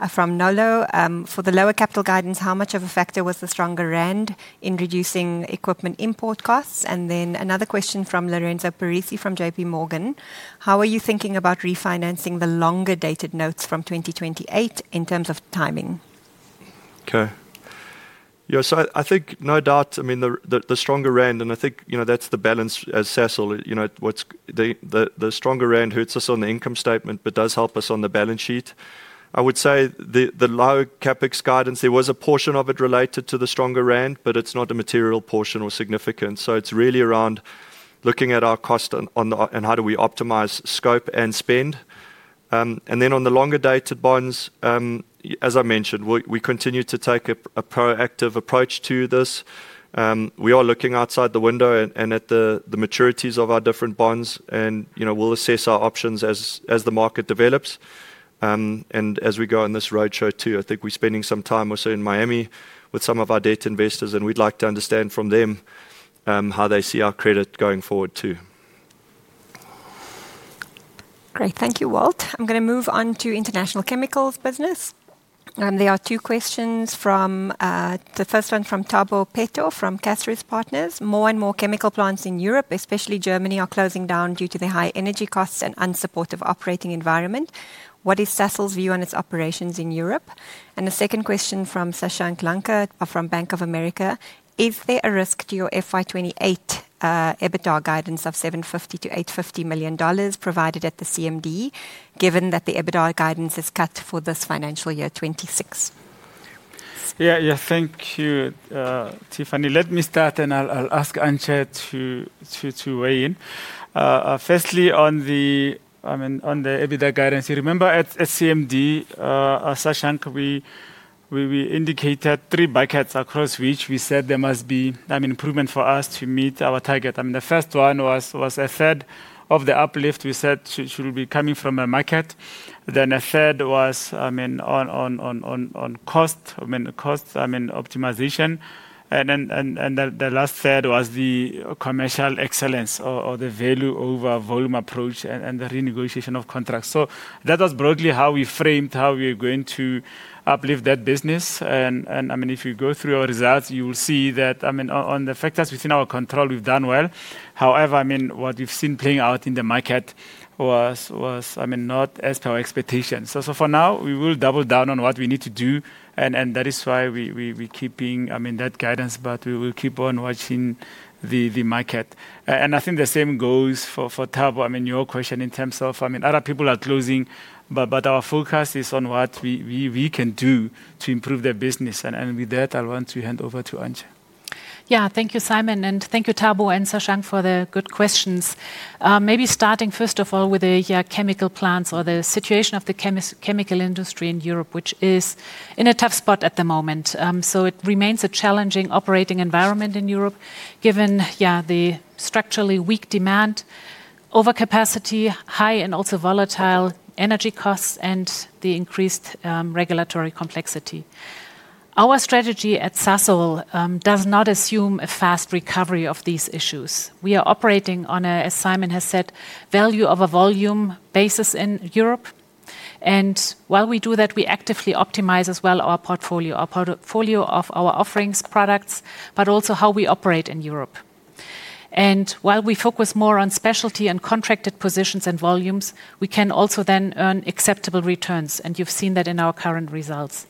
from Nolo. For the lower capital guidance, how much of a factor was the stronger rand in reducing equipment import costs? Then another question from Lorenzo Parisi, from JPMorgan: How are you thinking about refinancing the longer-dated notes from 2028 in terms of timing? Yeah, I think no doubt, I mean, the stronger rand, and I think, the stronger rand hurts us on the income statement but does help us on the balance sheet. I would say the low CapEx guidance, there was a portion of it related to the stronger rand, it's not a material portion or significance. It's really around looking at our cost on the, and how do we optimize scope and spend. Then on the longer-dated bonds, as I mentioned, we continue to take a proactive approach to this. We are looking outside the window and at the maturities of our different bonds, you know, we'll assess our options as the market develops. As we go on this roadshow, too, I think we're spending some time also in Miami with some of our debt investors, and we'd like to understand from them how they see our credit going forward, too. Great. Thank you, Walt. I'm gonna move on to International Chemicals business. There are two questions from the first one from Thabo Peto, from Caspar Partners: More and more chemical plants in Europe, especially Germany, are closing down due to the high energy costs and unsupportive operating environment. What is Sasol's view on its operations in Europe? The second question from Sashank Lanka, from Bank of America: Is there a risk to your FY 2028 EBITDA guidance of $750 million-$850 million provided at the CMD, given that the EBITDA guidance is cut for this financial year 2026? Yeah, yeah. Thank you, Tiffany. Let me start, and I'll ask Antje Gerber to weigh in. Firstly, on the, I mean, on the EBITDA guidance, you remember at CMD, Sashank, we indicated three buckets across which we said there must be an improvement for us to meet our target. I mean, the first one was a third of the uplift we said should be coming from a market. A third was, I mean, on cost, I mean, cost, I mean, optimization. The last third was the commercial excellence or the value over volume approach and the renegotiation of contracts. That was broadly how we framed how we are going to uplift that business, and I mean, if you go through our results, you will see that, I mean, on the factors within our control, we've done well. I mean, what we've seen playing out in the market was, I mean, not as per our expectations. For now, we will double down on what we need to do, and that is why we, we're keeping, I mean, that guidance, but we will keep on watching the market. I think the same goes for Thabo. I mean, your question in terms of, I mean, other people are closing, our focus is on what we, we can do to improve their business, with that, I want to hand over to Antje. Yeah, thank you, Simon, and thank you, Thabo and Sashank, for the good questions. Maybe starting, first of all, with the chemical plants or the situation of the chemical industry in Europe, which is in a tough spot at the moment. It remains a challenging operating environment in Europe, given, yeah, the structurally weak demand, overcapacity, high and also volatile energy costs, and the increased regulatory complexity. Our strategy at Sasol does not assume a fast recovery of these issues. We are operating on a, as Simon has said, value of a volume basis in Europe, and while we do that, we actively optimize as well our portfolio, our portfolio of our offerings products, but also how we operate in Europe. While we focus more on specialty and contracted positions and volumes, we can also then earn acceptable returns, and you've seen that in our current results.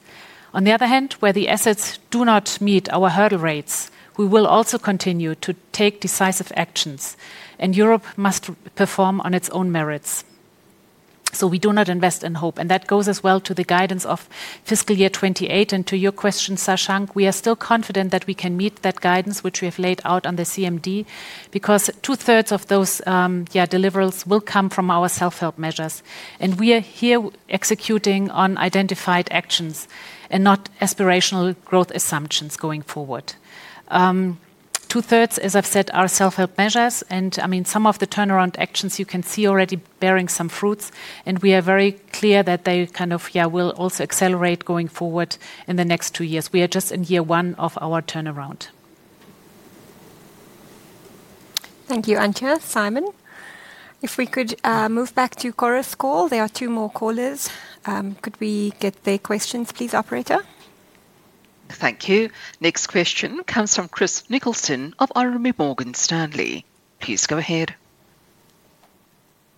On the other hand, where the assets do not meet our hurdle rates, we will also continue to take decisive actions. Europe must perform on its own merits. We do not invest in hope, and that goes as well to the guidance of fiscal year 2028. To your question, Shashank, we are still confident that we can meet that guidance, which we have laid out on the CMD, because 2/3 of those, yeah, deliverables will come from our self-help measures. We are here executing on identified actions and not aspirational growth assumptions going forward. 2/3, as I've said, are self-help measures, and, I mean, some of the turnaround actions you can see already bearing some fruits, and we are very clear that they kind of, yeah, will also accelerate going forward in the next two years. We are just in year 1 of our turnaround. Thank you, Antje. Simon? If we could move back to Chorus Call, there are two more callers. Could we get their questions, please, operator? Thank you. Next question comes from Chris Nicholson of RMB Morgan Stanley. Please go ahead.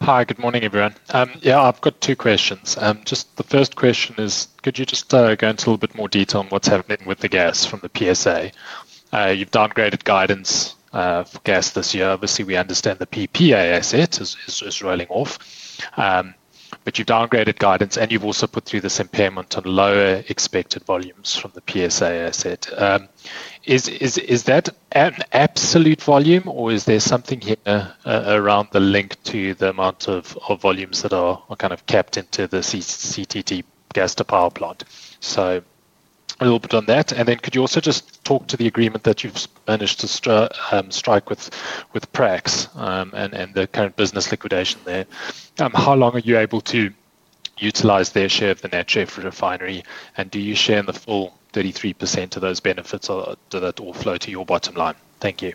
Hi, good morning, everyone. Yeah, I've got two questions. Just the first question is, could you just go into a little bit more detail on what's happening with the gas from the PSA? You've downgraded guidance for gas this year. Obviously, we understand the PPA asset is rolling off. But you downgraded guidance, and you've also put through this impairment on lower expected volumes from the PSA asset. Is that an absolute volume, or is there something here around the link to the amount of volumes that are kind of capped into the CTT gas to power plant? A little bit on that, and then could you also just talk to the agreement that you've managed to strike with Prax and the current business liquidation there? How long are you able to utilize their share of the Natref refinery, and do you share in the full 33% of those benefits, or do that all flow to your bottom line? Thank you.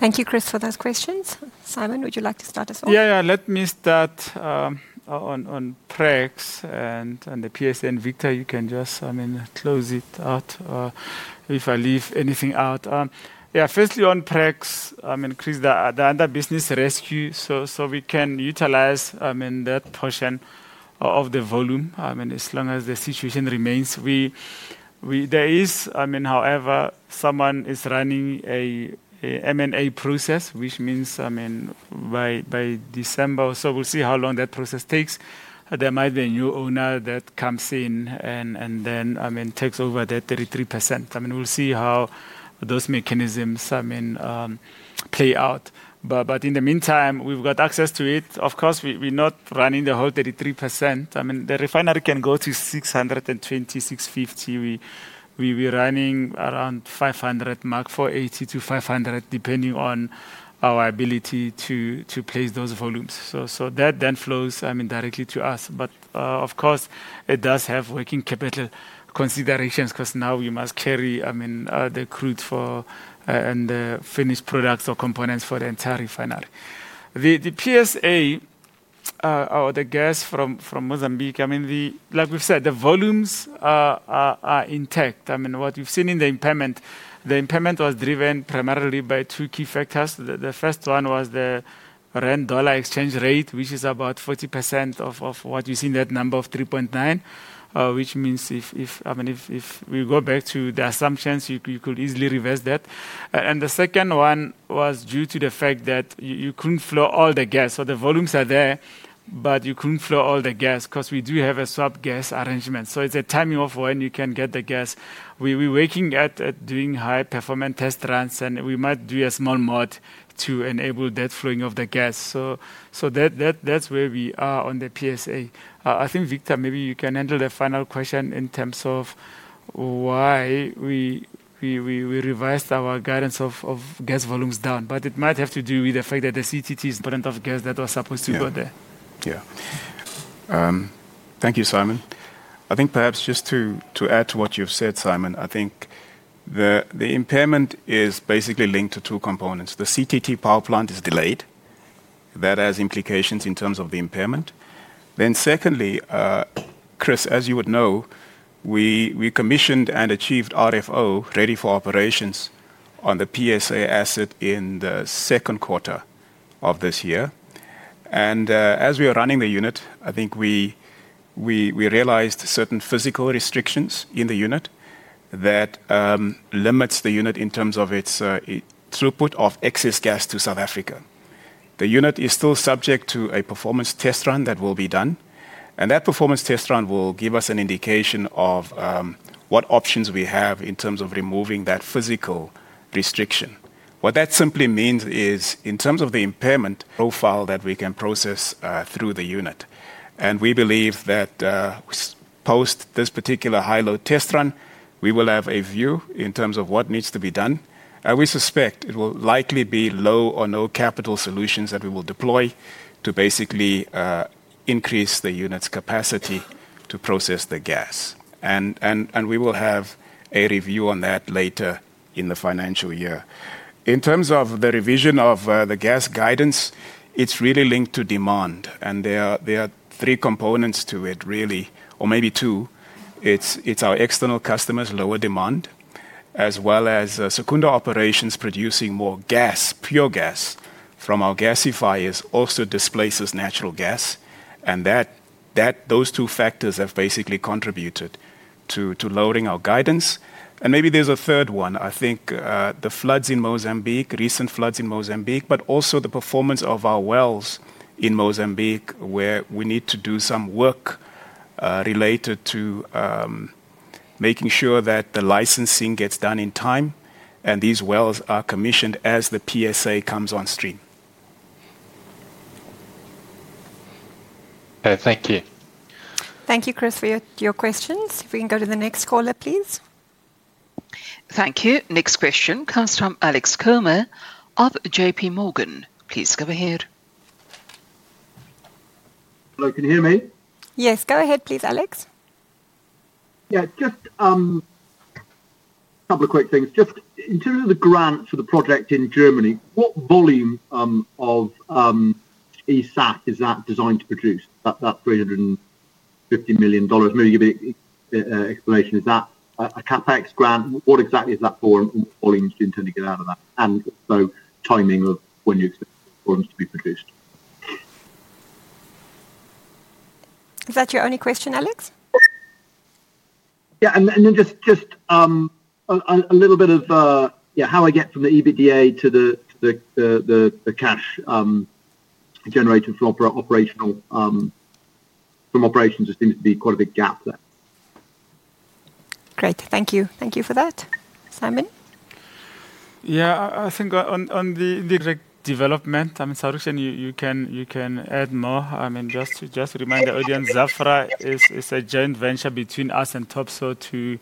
Thank you, Chris, for those questions. Simon, would you like to start us off? Yeah, yeah. Let me start, on, on Prax and, and the PSA, and, Victor, you can just, I mean, close it out, if I leave anything out. Yeah, firstly, on Prax, I mean, Chris, the, the under business rescue, so, so we can utilize, I mean, that portion of the volume. As long as the situation remains, we, we-- there is... However, someone is running a, a M&A process, which means, I mean, by, by December, so we'll see how long that process takes. There might be a new owner that comes in and, and then, I mean, takes over that 33%. I mean, we'll see how those mechanisms, I mean, play out. In the meantime, we've got access to it. Of course, we, we're not running the whole 33%. I mean, the refinery can go to 620, 650. We were running around 500 mark, 480-500, depending on our ability to place those volumes. That then flows, I mean, directly to us. Of course, it does have working capital considerations 'cause now we must carry, I mean, the crude for and the finished products or components for the entire refinery. The PSA or the gas from Mozambique, I mean, like we've said, the volumes are intact. I mean, what you've seen in the impairment, the impairment was driven primarily by two key factors. The first one was the rand-dollar exchange rate, which is about 40% of what you see in that number of 3.9. Which means if, I mean, if we go back to the assumptions, you could easily reverse that. The second one was due to the fact that you couldn't flow all the gas, so the volumes are there, but you couldn't flow all the gas 'cause we do have a sub-gas arrangement, so it's a timing of when you can get the gas. We've been working at doing high-performance test runs, and we might do a small mod to enable that flowing of the gas. That's where we are on the PSA. I think, Victor, maybe you can handle the final question in terms of why we, we, we, we revised our guidance of, of gas volumes down, but it might have to do with the fact that the CTT's point of gas that was supposed to go there. Yeah. Thank you, Simon. I think perhaps just to, to add to what you've said, Simon, I think the, the impairment is basically linked to two components. The CTT power plant is delayed. That has implications in terms of the impairment. Secondly, Chris, as you would know, we, we commissioned and achieved RFO, Ready for Operations, on the PSA asset in the second quarter of this year. As we are running the unit, I think we, we, we realized certain physical restrictions in the unit that limits the unit in terms of its throughput of excess gas to South Africa. The unit is still subject to a performance test run that will be done, and that performance test run will give us an indication of what options we have in terms of removing that physical restriction. What that simply means is, in terms of the impairment profile that we can process through the unit, and we believe that, post this particular high-low test run, we will have a view in terms of what needs to be done. We suspect it will likely be low or no capital solutions that we will deploy to basically increase the unit's capacity to process the gas. We will have a review on that later in the financial year. In terms of the revision of the gas guidance, it's really linked to demand, and there are, there are three components to it, really, or maybe two. It's, it's our external customers' lower demand, as well as Secunda Operations producing more gas, pure gas, from our gasifiers also displaces natural gas, and those two factors have basically contributed to, to lowering our guidance. Maybe there's a third one. I think, the floods in Mozambique, recent floods in Mozambique, but also the performance of our wells in Mozambique, where we need to do some work, related to, making sure that the licensing gets done in time and these wells are commissioned as the PSA comes on stream. Thank you. Thank you, Chris, for your questions. If we can go to the next caller, please. Thank you. Next question comes from Alex Comer of JPMorgan. Please go ahead. Hello, can you hear me? Yes, go ahead, please, Alex. Yeah, just a couple of quick things. Just in terms of the grants for the project in Germany, what volume of eSAF is that designed to produce, that $350 million? Maybe give me explanation. Is that a CapEx grant? What exactly is that for, and volume do you intend to get out of that, and so timing of when you expect volumes to be produced? Is that your only question, Alex? Yeah, and then just a little bit of, yeah, how I get from the EBITDA to the cash generated from operations. It seems to be quite a big gap there. Great. Thank you. Thank you for that. Simon? Yeah, I, I think on, on the, the development, I mean, Sarushen, you, you can, you can add more. I mean, just to just remind the audience, Zaffra is, is a joint venture between us and Topsoe to,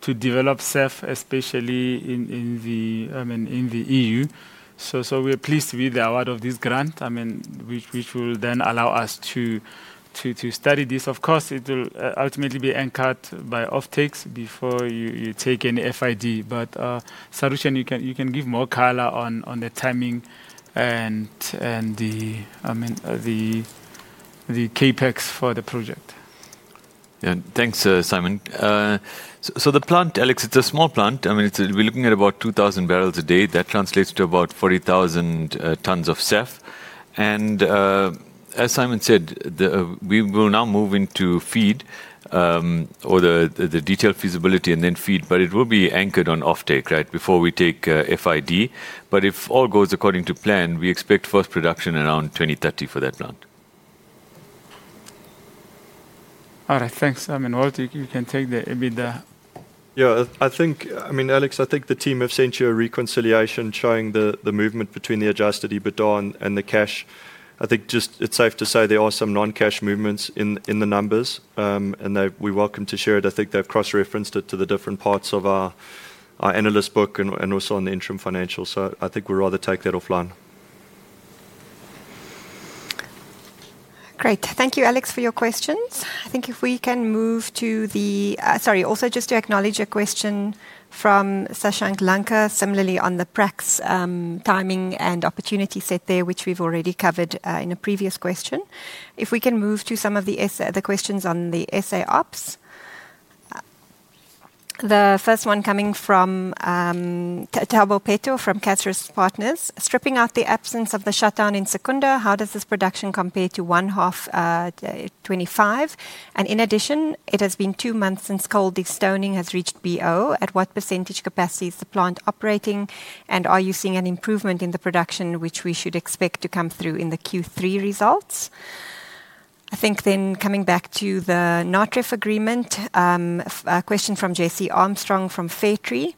to develop SAF, especially in, in the, in, in the EU. We're pleased to be the award of this grant. I mean, which, which will then allow us to, to, to study this. Of course, it will, ultimately be anchored by offtakes before you, you take any FID. Sarushen, you can, you can give more color on, on the timing and, and the, I mean, the, the CapEx for the project. Yeah. Thanks, Simon. So the plant, Alex, it's a small plant. I mean, we're looking at about 2,000 barrels a day. That translates to about 40,000 tons of SAF. As Simon said, we will now move into FEED, or the detailed feasibility and then FEED, but it will be anchored on offtake, right, before we take FID. If all goes according to plan, we expect first production around 2030 for that plant. All right. Thanks. I mean, Walt, you can take the EBITDA. Yeah, I, I think, I mean, Alex, I think the team have sent you a reconciliation showing the, the movement between the Adjusted EBITDA and, and the cash. I think just it's safe to say there are some non-cash movements in, in the numbers, and we're welcome to share it. I think they've cross-referenced it to the different parts of our, our analyst book and, and also on the interim financials. I think we'd rather take that offline. Great. Thank you, Alex, for your questions. I think if we can move to the. Sorry, also, just to acknowledge a question from Sashank Lanka, similarly on the Prax timing and opportunity set there, which we've already covered in a previous question. If we can move to some of the essay, the questions on the essay Ops. The first one coming from Thabo Peto from Caspar Partners: stripping out the absence of the shutdown in Secunda, how does this production compare to 1H 2025? In addition, it has been two months since cold destoning has reached BO. At what % capacity is the plant operating, and are you seeing an improvement in the production, which we should expect to come through in the Q3 results? I think then coming back to the Natref agreement, a question from Jesse Armstrong from Fairtree: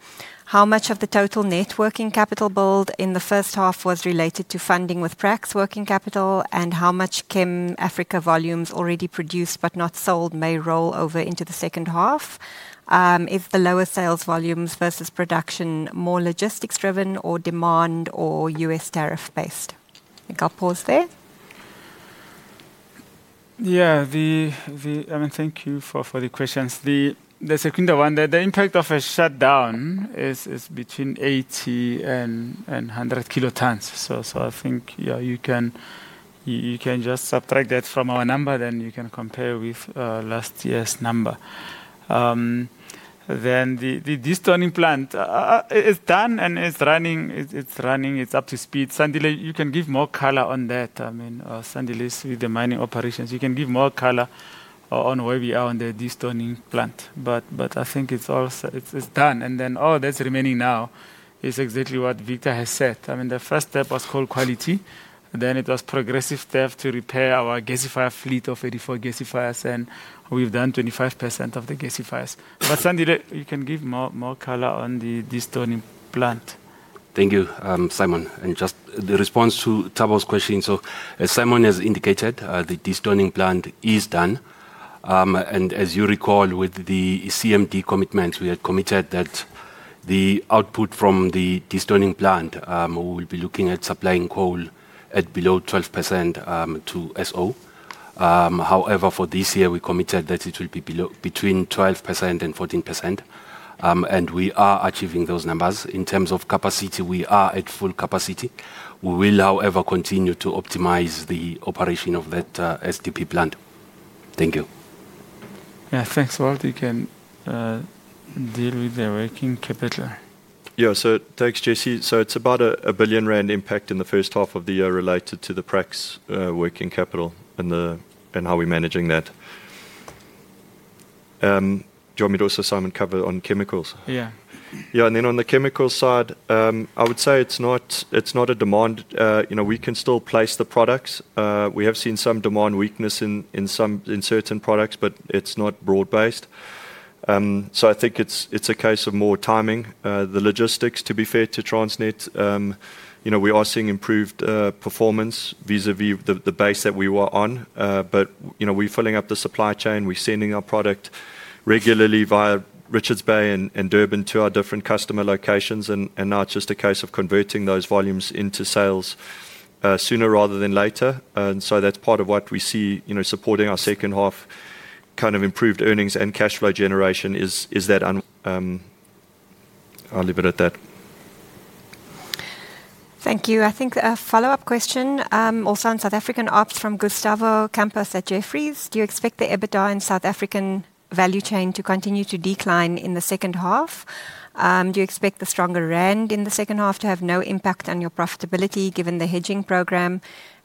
How much of the total net working capital build in the first half was related to funding with Prax working capital, and how much ChemAfrica volumes already produced but not sold may roll over into the second half? Is the lower sales volumes versus production more logistics-driven or demand or U.S. tariff-based? I think I'll pause there. I mean, thank you for the questions. The Secunda one, the impact of a shutdown is between 80 and 100 kilotons. I think, yeah, you can just subtract that from our number, then you can compare with last year's number. The de-stoning plant, it's done and it's running. It's running, it's up to speed. Sandile, you can give more color on that. I mean, Sandile, with the mining operations, you can give more color on where we are on the de-stoning plant. I think it's all set. It's done, and then all that's remaining now is exactly what Victor has said. I mean, the first step was coal quality, then it was progressive step to repair our gasifier fleet of 84 gasifiers, and we've done 25% of the gasifiers. Sandile, you can give more, more color on the de-stoning plant. Thank you, Simon, and just the response to Thabo's question. As Simon has indicated, the de-stoning plant is done. And as you recall, with the CMD commitments, we had committed that the output from the de-stoning plant, we will be looking at supplying coal at below 12%, to SO. However, for this year, we committed that it will be below between 12% and 14%, and we are achieving those numbers. In terms of capacity, we are at full capacity. We will, however, continue to optimize the operation of that, SDP plant. Thank you. Yeah, thanks. Walt, you can deal with the working capital. Yeah. Thanks, Jesse. It's about a 1 billion rand impact in the first half of the year related to the Prax working capital and how we're managing that. Do you want me to also, Simon, cover on chemicals? Yeah. Yeah, then on the chemical side, I would say it's not, it's not a demand. You know, we can still place the products. We have seen some demand weakness in, in some, in certain products, but it's not broad-based. I think it's, it's a case of more timing, the logistics, to be fair to Transnet, you know, we are seeing improved performance vis-a-vis the base that we were on. You know, we're filling up the supply chain, we're sending our product regularly via Richards Bay and Durban to our different customer locations, and now it's just a case of converting those volumes into sales sooner rather than later. That's part of what we see, you know, supporting our second half, kind of, improved earnings and cash flow generation is, is that, I'll leave it at that. Thank you. I think a follow-up question, also on South African ops from Gustavo Campos at Jefferies. Do you expect the EBITDA in South African value chain to continue to decline in the second half? Do you expect the stronger rand in the second half to have no impact on your profitability, given the hedging program?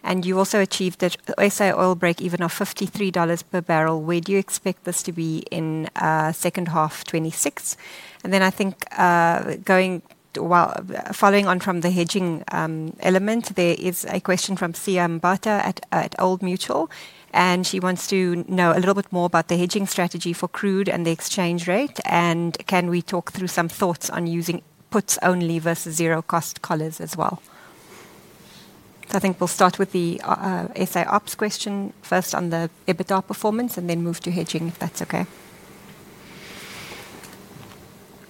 You also achieved the SA oil breakeven of $53 per barrel. Where do you expect this to be in second half 2026? I think, Well, following on from the hedging element, there is a question from Siya Mbatha at Old Mutual, and she wants to know a little bit more about the hedging strategy for crude and the exchange rate. Can we talk through some thoughts on using puts only versus zero-cost collars as well? I think we'll start with the SA ops question first on the EBITDA performance and then move to hedging, if that's okay.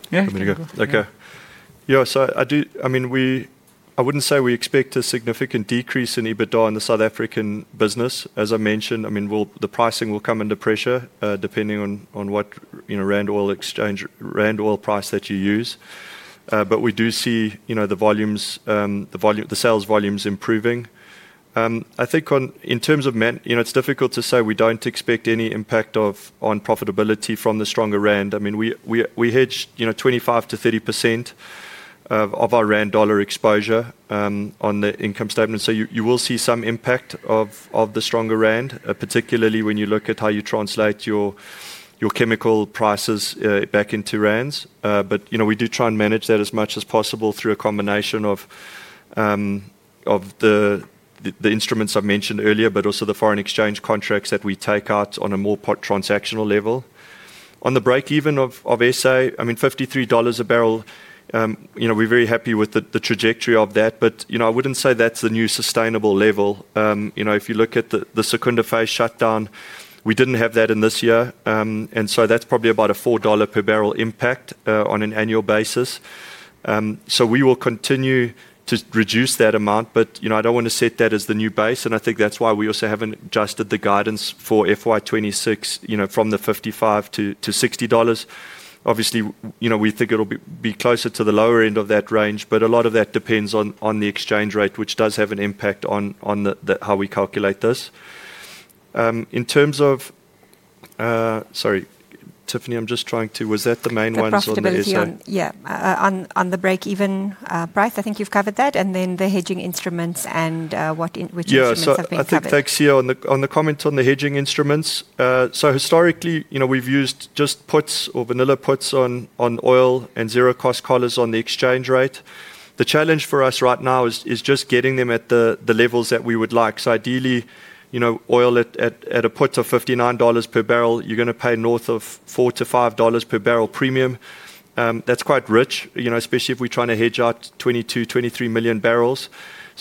Yeah. Okay. Yeah, I mean, I wouldn't say we expect a significant decrease in EBITDA in the South African business. As I mentioned, I mean, we'll, the pricing will come under pressure, depending on, on what, you know, rand/oil exchange, rand/oil price that you use. We do see, you know, the volumes, the volume, the sales volumes improving. I think in terms of, you know, it's difficult to say we don't expect any impact of, on profitability from the stronger rand. I mean, we, we, we hedged, you know, 25%-30% of, of our rand/dollar exposure on the income statement. You, you will see some impact of, of the stronger rand, particularly when you look at how you translate your, your chemical prices back into rands. You know, we do try and manage that as much as possible through a combination of the, the, the instruments I've mentioned earlier, but also the foreign exchange contracts that we take out on a more part transactional level. On the breakeven of, of SA, I mean, $53 a barrel, you know, we're very happy with the, the trajectory of that, but, you know, I wouldn't say that's the new sustainable level. You know, if you look at the, the Secunda phase shutdown, we didn't have that in this year, and so that's probably about a $4 per barrel impact on an annual basis. We will continue to reduce that amount, but, you know, I don't want to set that as the new base, and I think that's why we also haven't adjusted the guidance for FY 2026, you know, from the $55-$60. Obviously, you know, we think it'll be closer to the lower end of that range, but a lot of that depends on the exchange rate, which does have an impact on the how we calculate this. In terms of... Sorry, Tiffany, I'm just trying to, was that the main ones on the SA? The profitability on, yeah, on, on the breakeven, Bryce, I think you've covered that, and then the hedging instruments and, which instruments have been covered. Yeah, I think, thanks, Siya, on the comments on the hedging instruments. Historically, you know, we've used just puts or vanilla puts on oil and zero-cost collars on the exchange rate. The challenge for us right now is just getting them at the levels that we would like. Ideally, you know, oil at a put of $59 per barrel, you're gonna pay north of $4-$5 per barrel premium. That's quite rich, you know, especially if we're trying to hedge out 22 million-23 million barrels.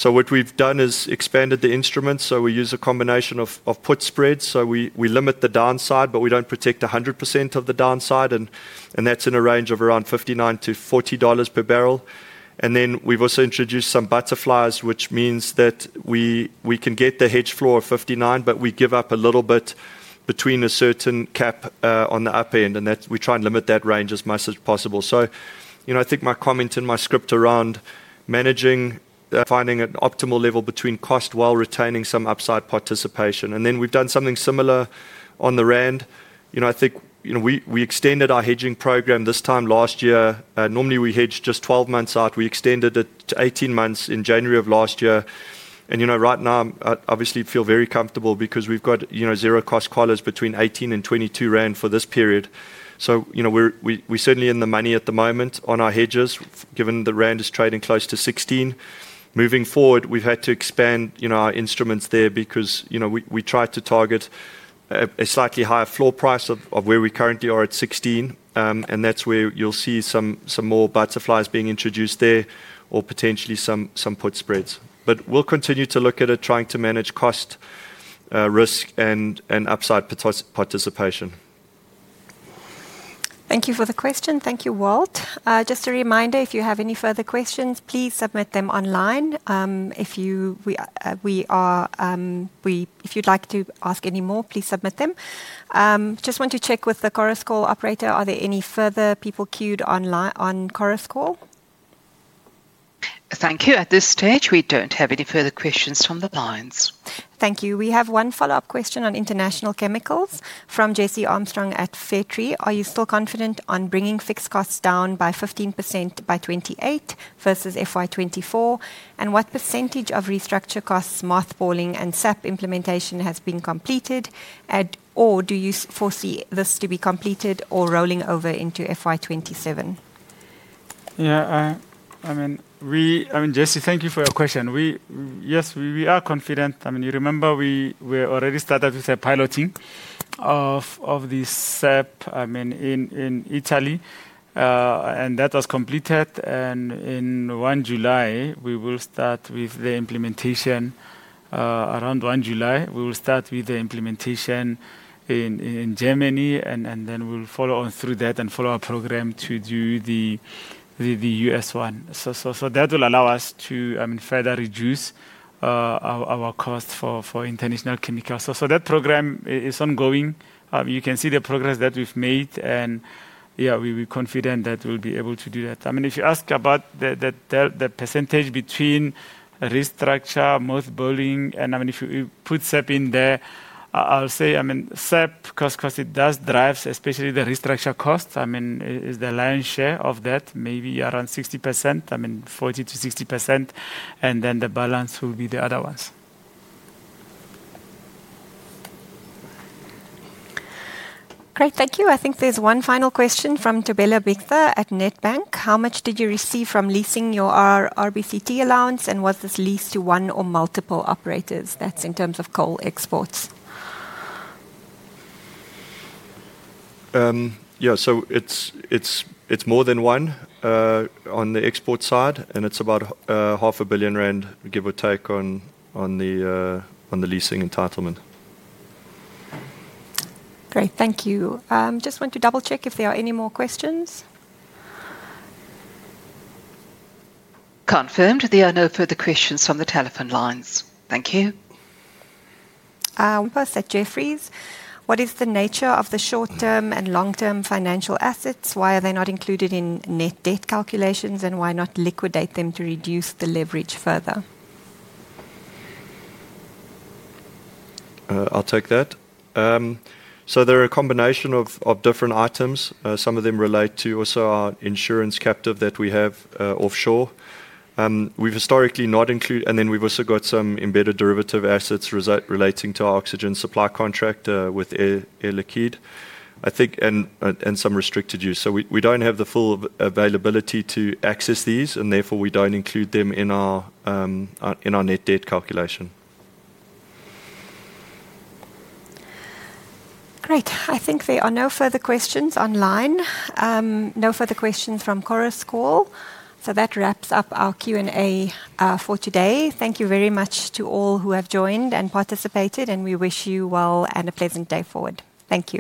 What we've done is expanded the instruments, so we use a combination of put spreads. We limit the downside, but we don't protect 100% of the downside, and that's in a range of around $59-$40 per barrel. We've also introduced some butterflies, which means that we, we can get the hedge floor of 59, but we give up a little bit between a certain cap on the upper end, and that we try and limit that range as much as possible. You know, I think my comment in my script around managing, finding an optimal level between cost while retaining some upside participation. Then we've done something similar on the rand. You know, I think, you know, we, we extended our hedging program this time last year. Normally we hedge just 12 months out. We extended it to 18 months in January of last year. You know, right now I'm, I obviously feel very comfortable because we've got, you know, zero-cost collars between 18 and 22 rand for this period. You know, we're, we, we're certainly in the money at the moment on our hedges, given the rand is trading close to 16. Moving forward, we've had to expand, you know, our instruments there because, you know, we, we tried to target a, a slightly higher floor price of, of where we currently are at 16. That's where you'll see some, some more butterflies being introduced there or potentially some, some put spreads. We'll continue to look at it, trying to manage cost, risk, and, and upside parti-participation. Thank you for the question. Thank you, Walt. Just a reminder, if you have any further questions, please submit them online. If you, we are, if you'd like to ask any more, please submit them. Just want to check with the Chorus Call operator. Are there any further people queued online on Chorus Call? Thank you. At this stage, we don't have any further questions from the lines. Thank you. We have one follow-up question on International Chemicals from Jesse Armstrong at Fairtree. Are you still confident on bringing fixed costs down by 15% by 2028 versus FY 2024? What percentage of restructure costs, mothballing, and SAP implementation has been completed, and, or do you foresee this to be completed or rolling over into FY 2027? Yeah, I mean, we... I mean, Jesse, thank you for your question. Yes, we, we are confident. I mean, you remember we, we already started with a piloting of the SAP, I mean, in Italy. That was completed. Around 1 July, we will start with the implementation. Around 1 July, we will start with the implementation in Germany. Then we'll follow on through that and follow our program to do the U.S. one. That will allow us to further reduce our costs for International Chemicals. That program is ongoing. You can see the progress that we've made, and, yeah, we are confident that we'll be able to do that. I mean, if you ask about the, the, the, the percentage between restructure, mothballing, and, I mean, if you, you put SAP in there, I, I'll say, I mean, SAP, 'cause, 'cause it does drive, especially the restructure costs. I mean, it is the lion's share of that, maybe around 60%, I mean, 40%-60%, and then the balance will be the other ones. Great, thank you. I think there's one final question from Thobeka Batha at Nedbank. How much did you receive from leasing your RBCT allowance, and was this leased to one or multiple operators? That's in terms of coal exports. Yeah, it's, it's, it's more than 1 on the export side, and it's about 500 million rand, give or take, on, on the on the leasing entitlement. Great. Thank you. Just want to double-check if there are any more questions. Confirmed there are no further questions from the telephone lines. Thank you. Wamda Fuma at Jefferies. What is the nature of the short-term and long-term financial assets? Why are they not included in net debt calculations, and why not liquidate them to reduce the leverage further? I'll take that. There are a combination of different items. Some of them relate to also our insurance captive that we have offshore. We've historically not included... We've also got some embedded derivative assets relating to our oxygen supply contract with Air Liquide, I think, and some restricted use. We don't have the full availability to access these, and therefore, we don't include them in our net debt calculation. Great. I think there are no further questions online. No further questions from Chorus Call. That wraps up our Q&A for today. Thank you very much to all who have joined and participated, and we wish you well and a pleasant day forward. Thank you.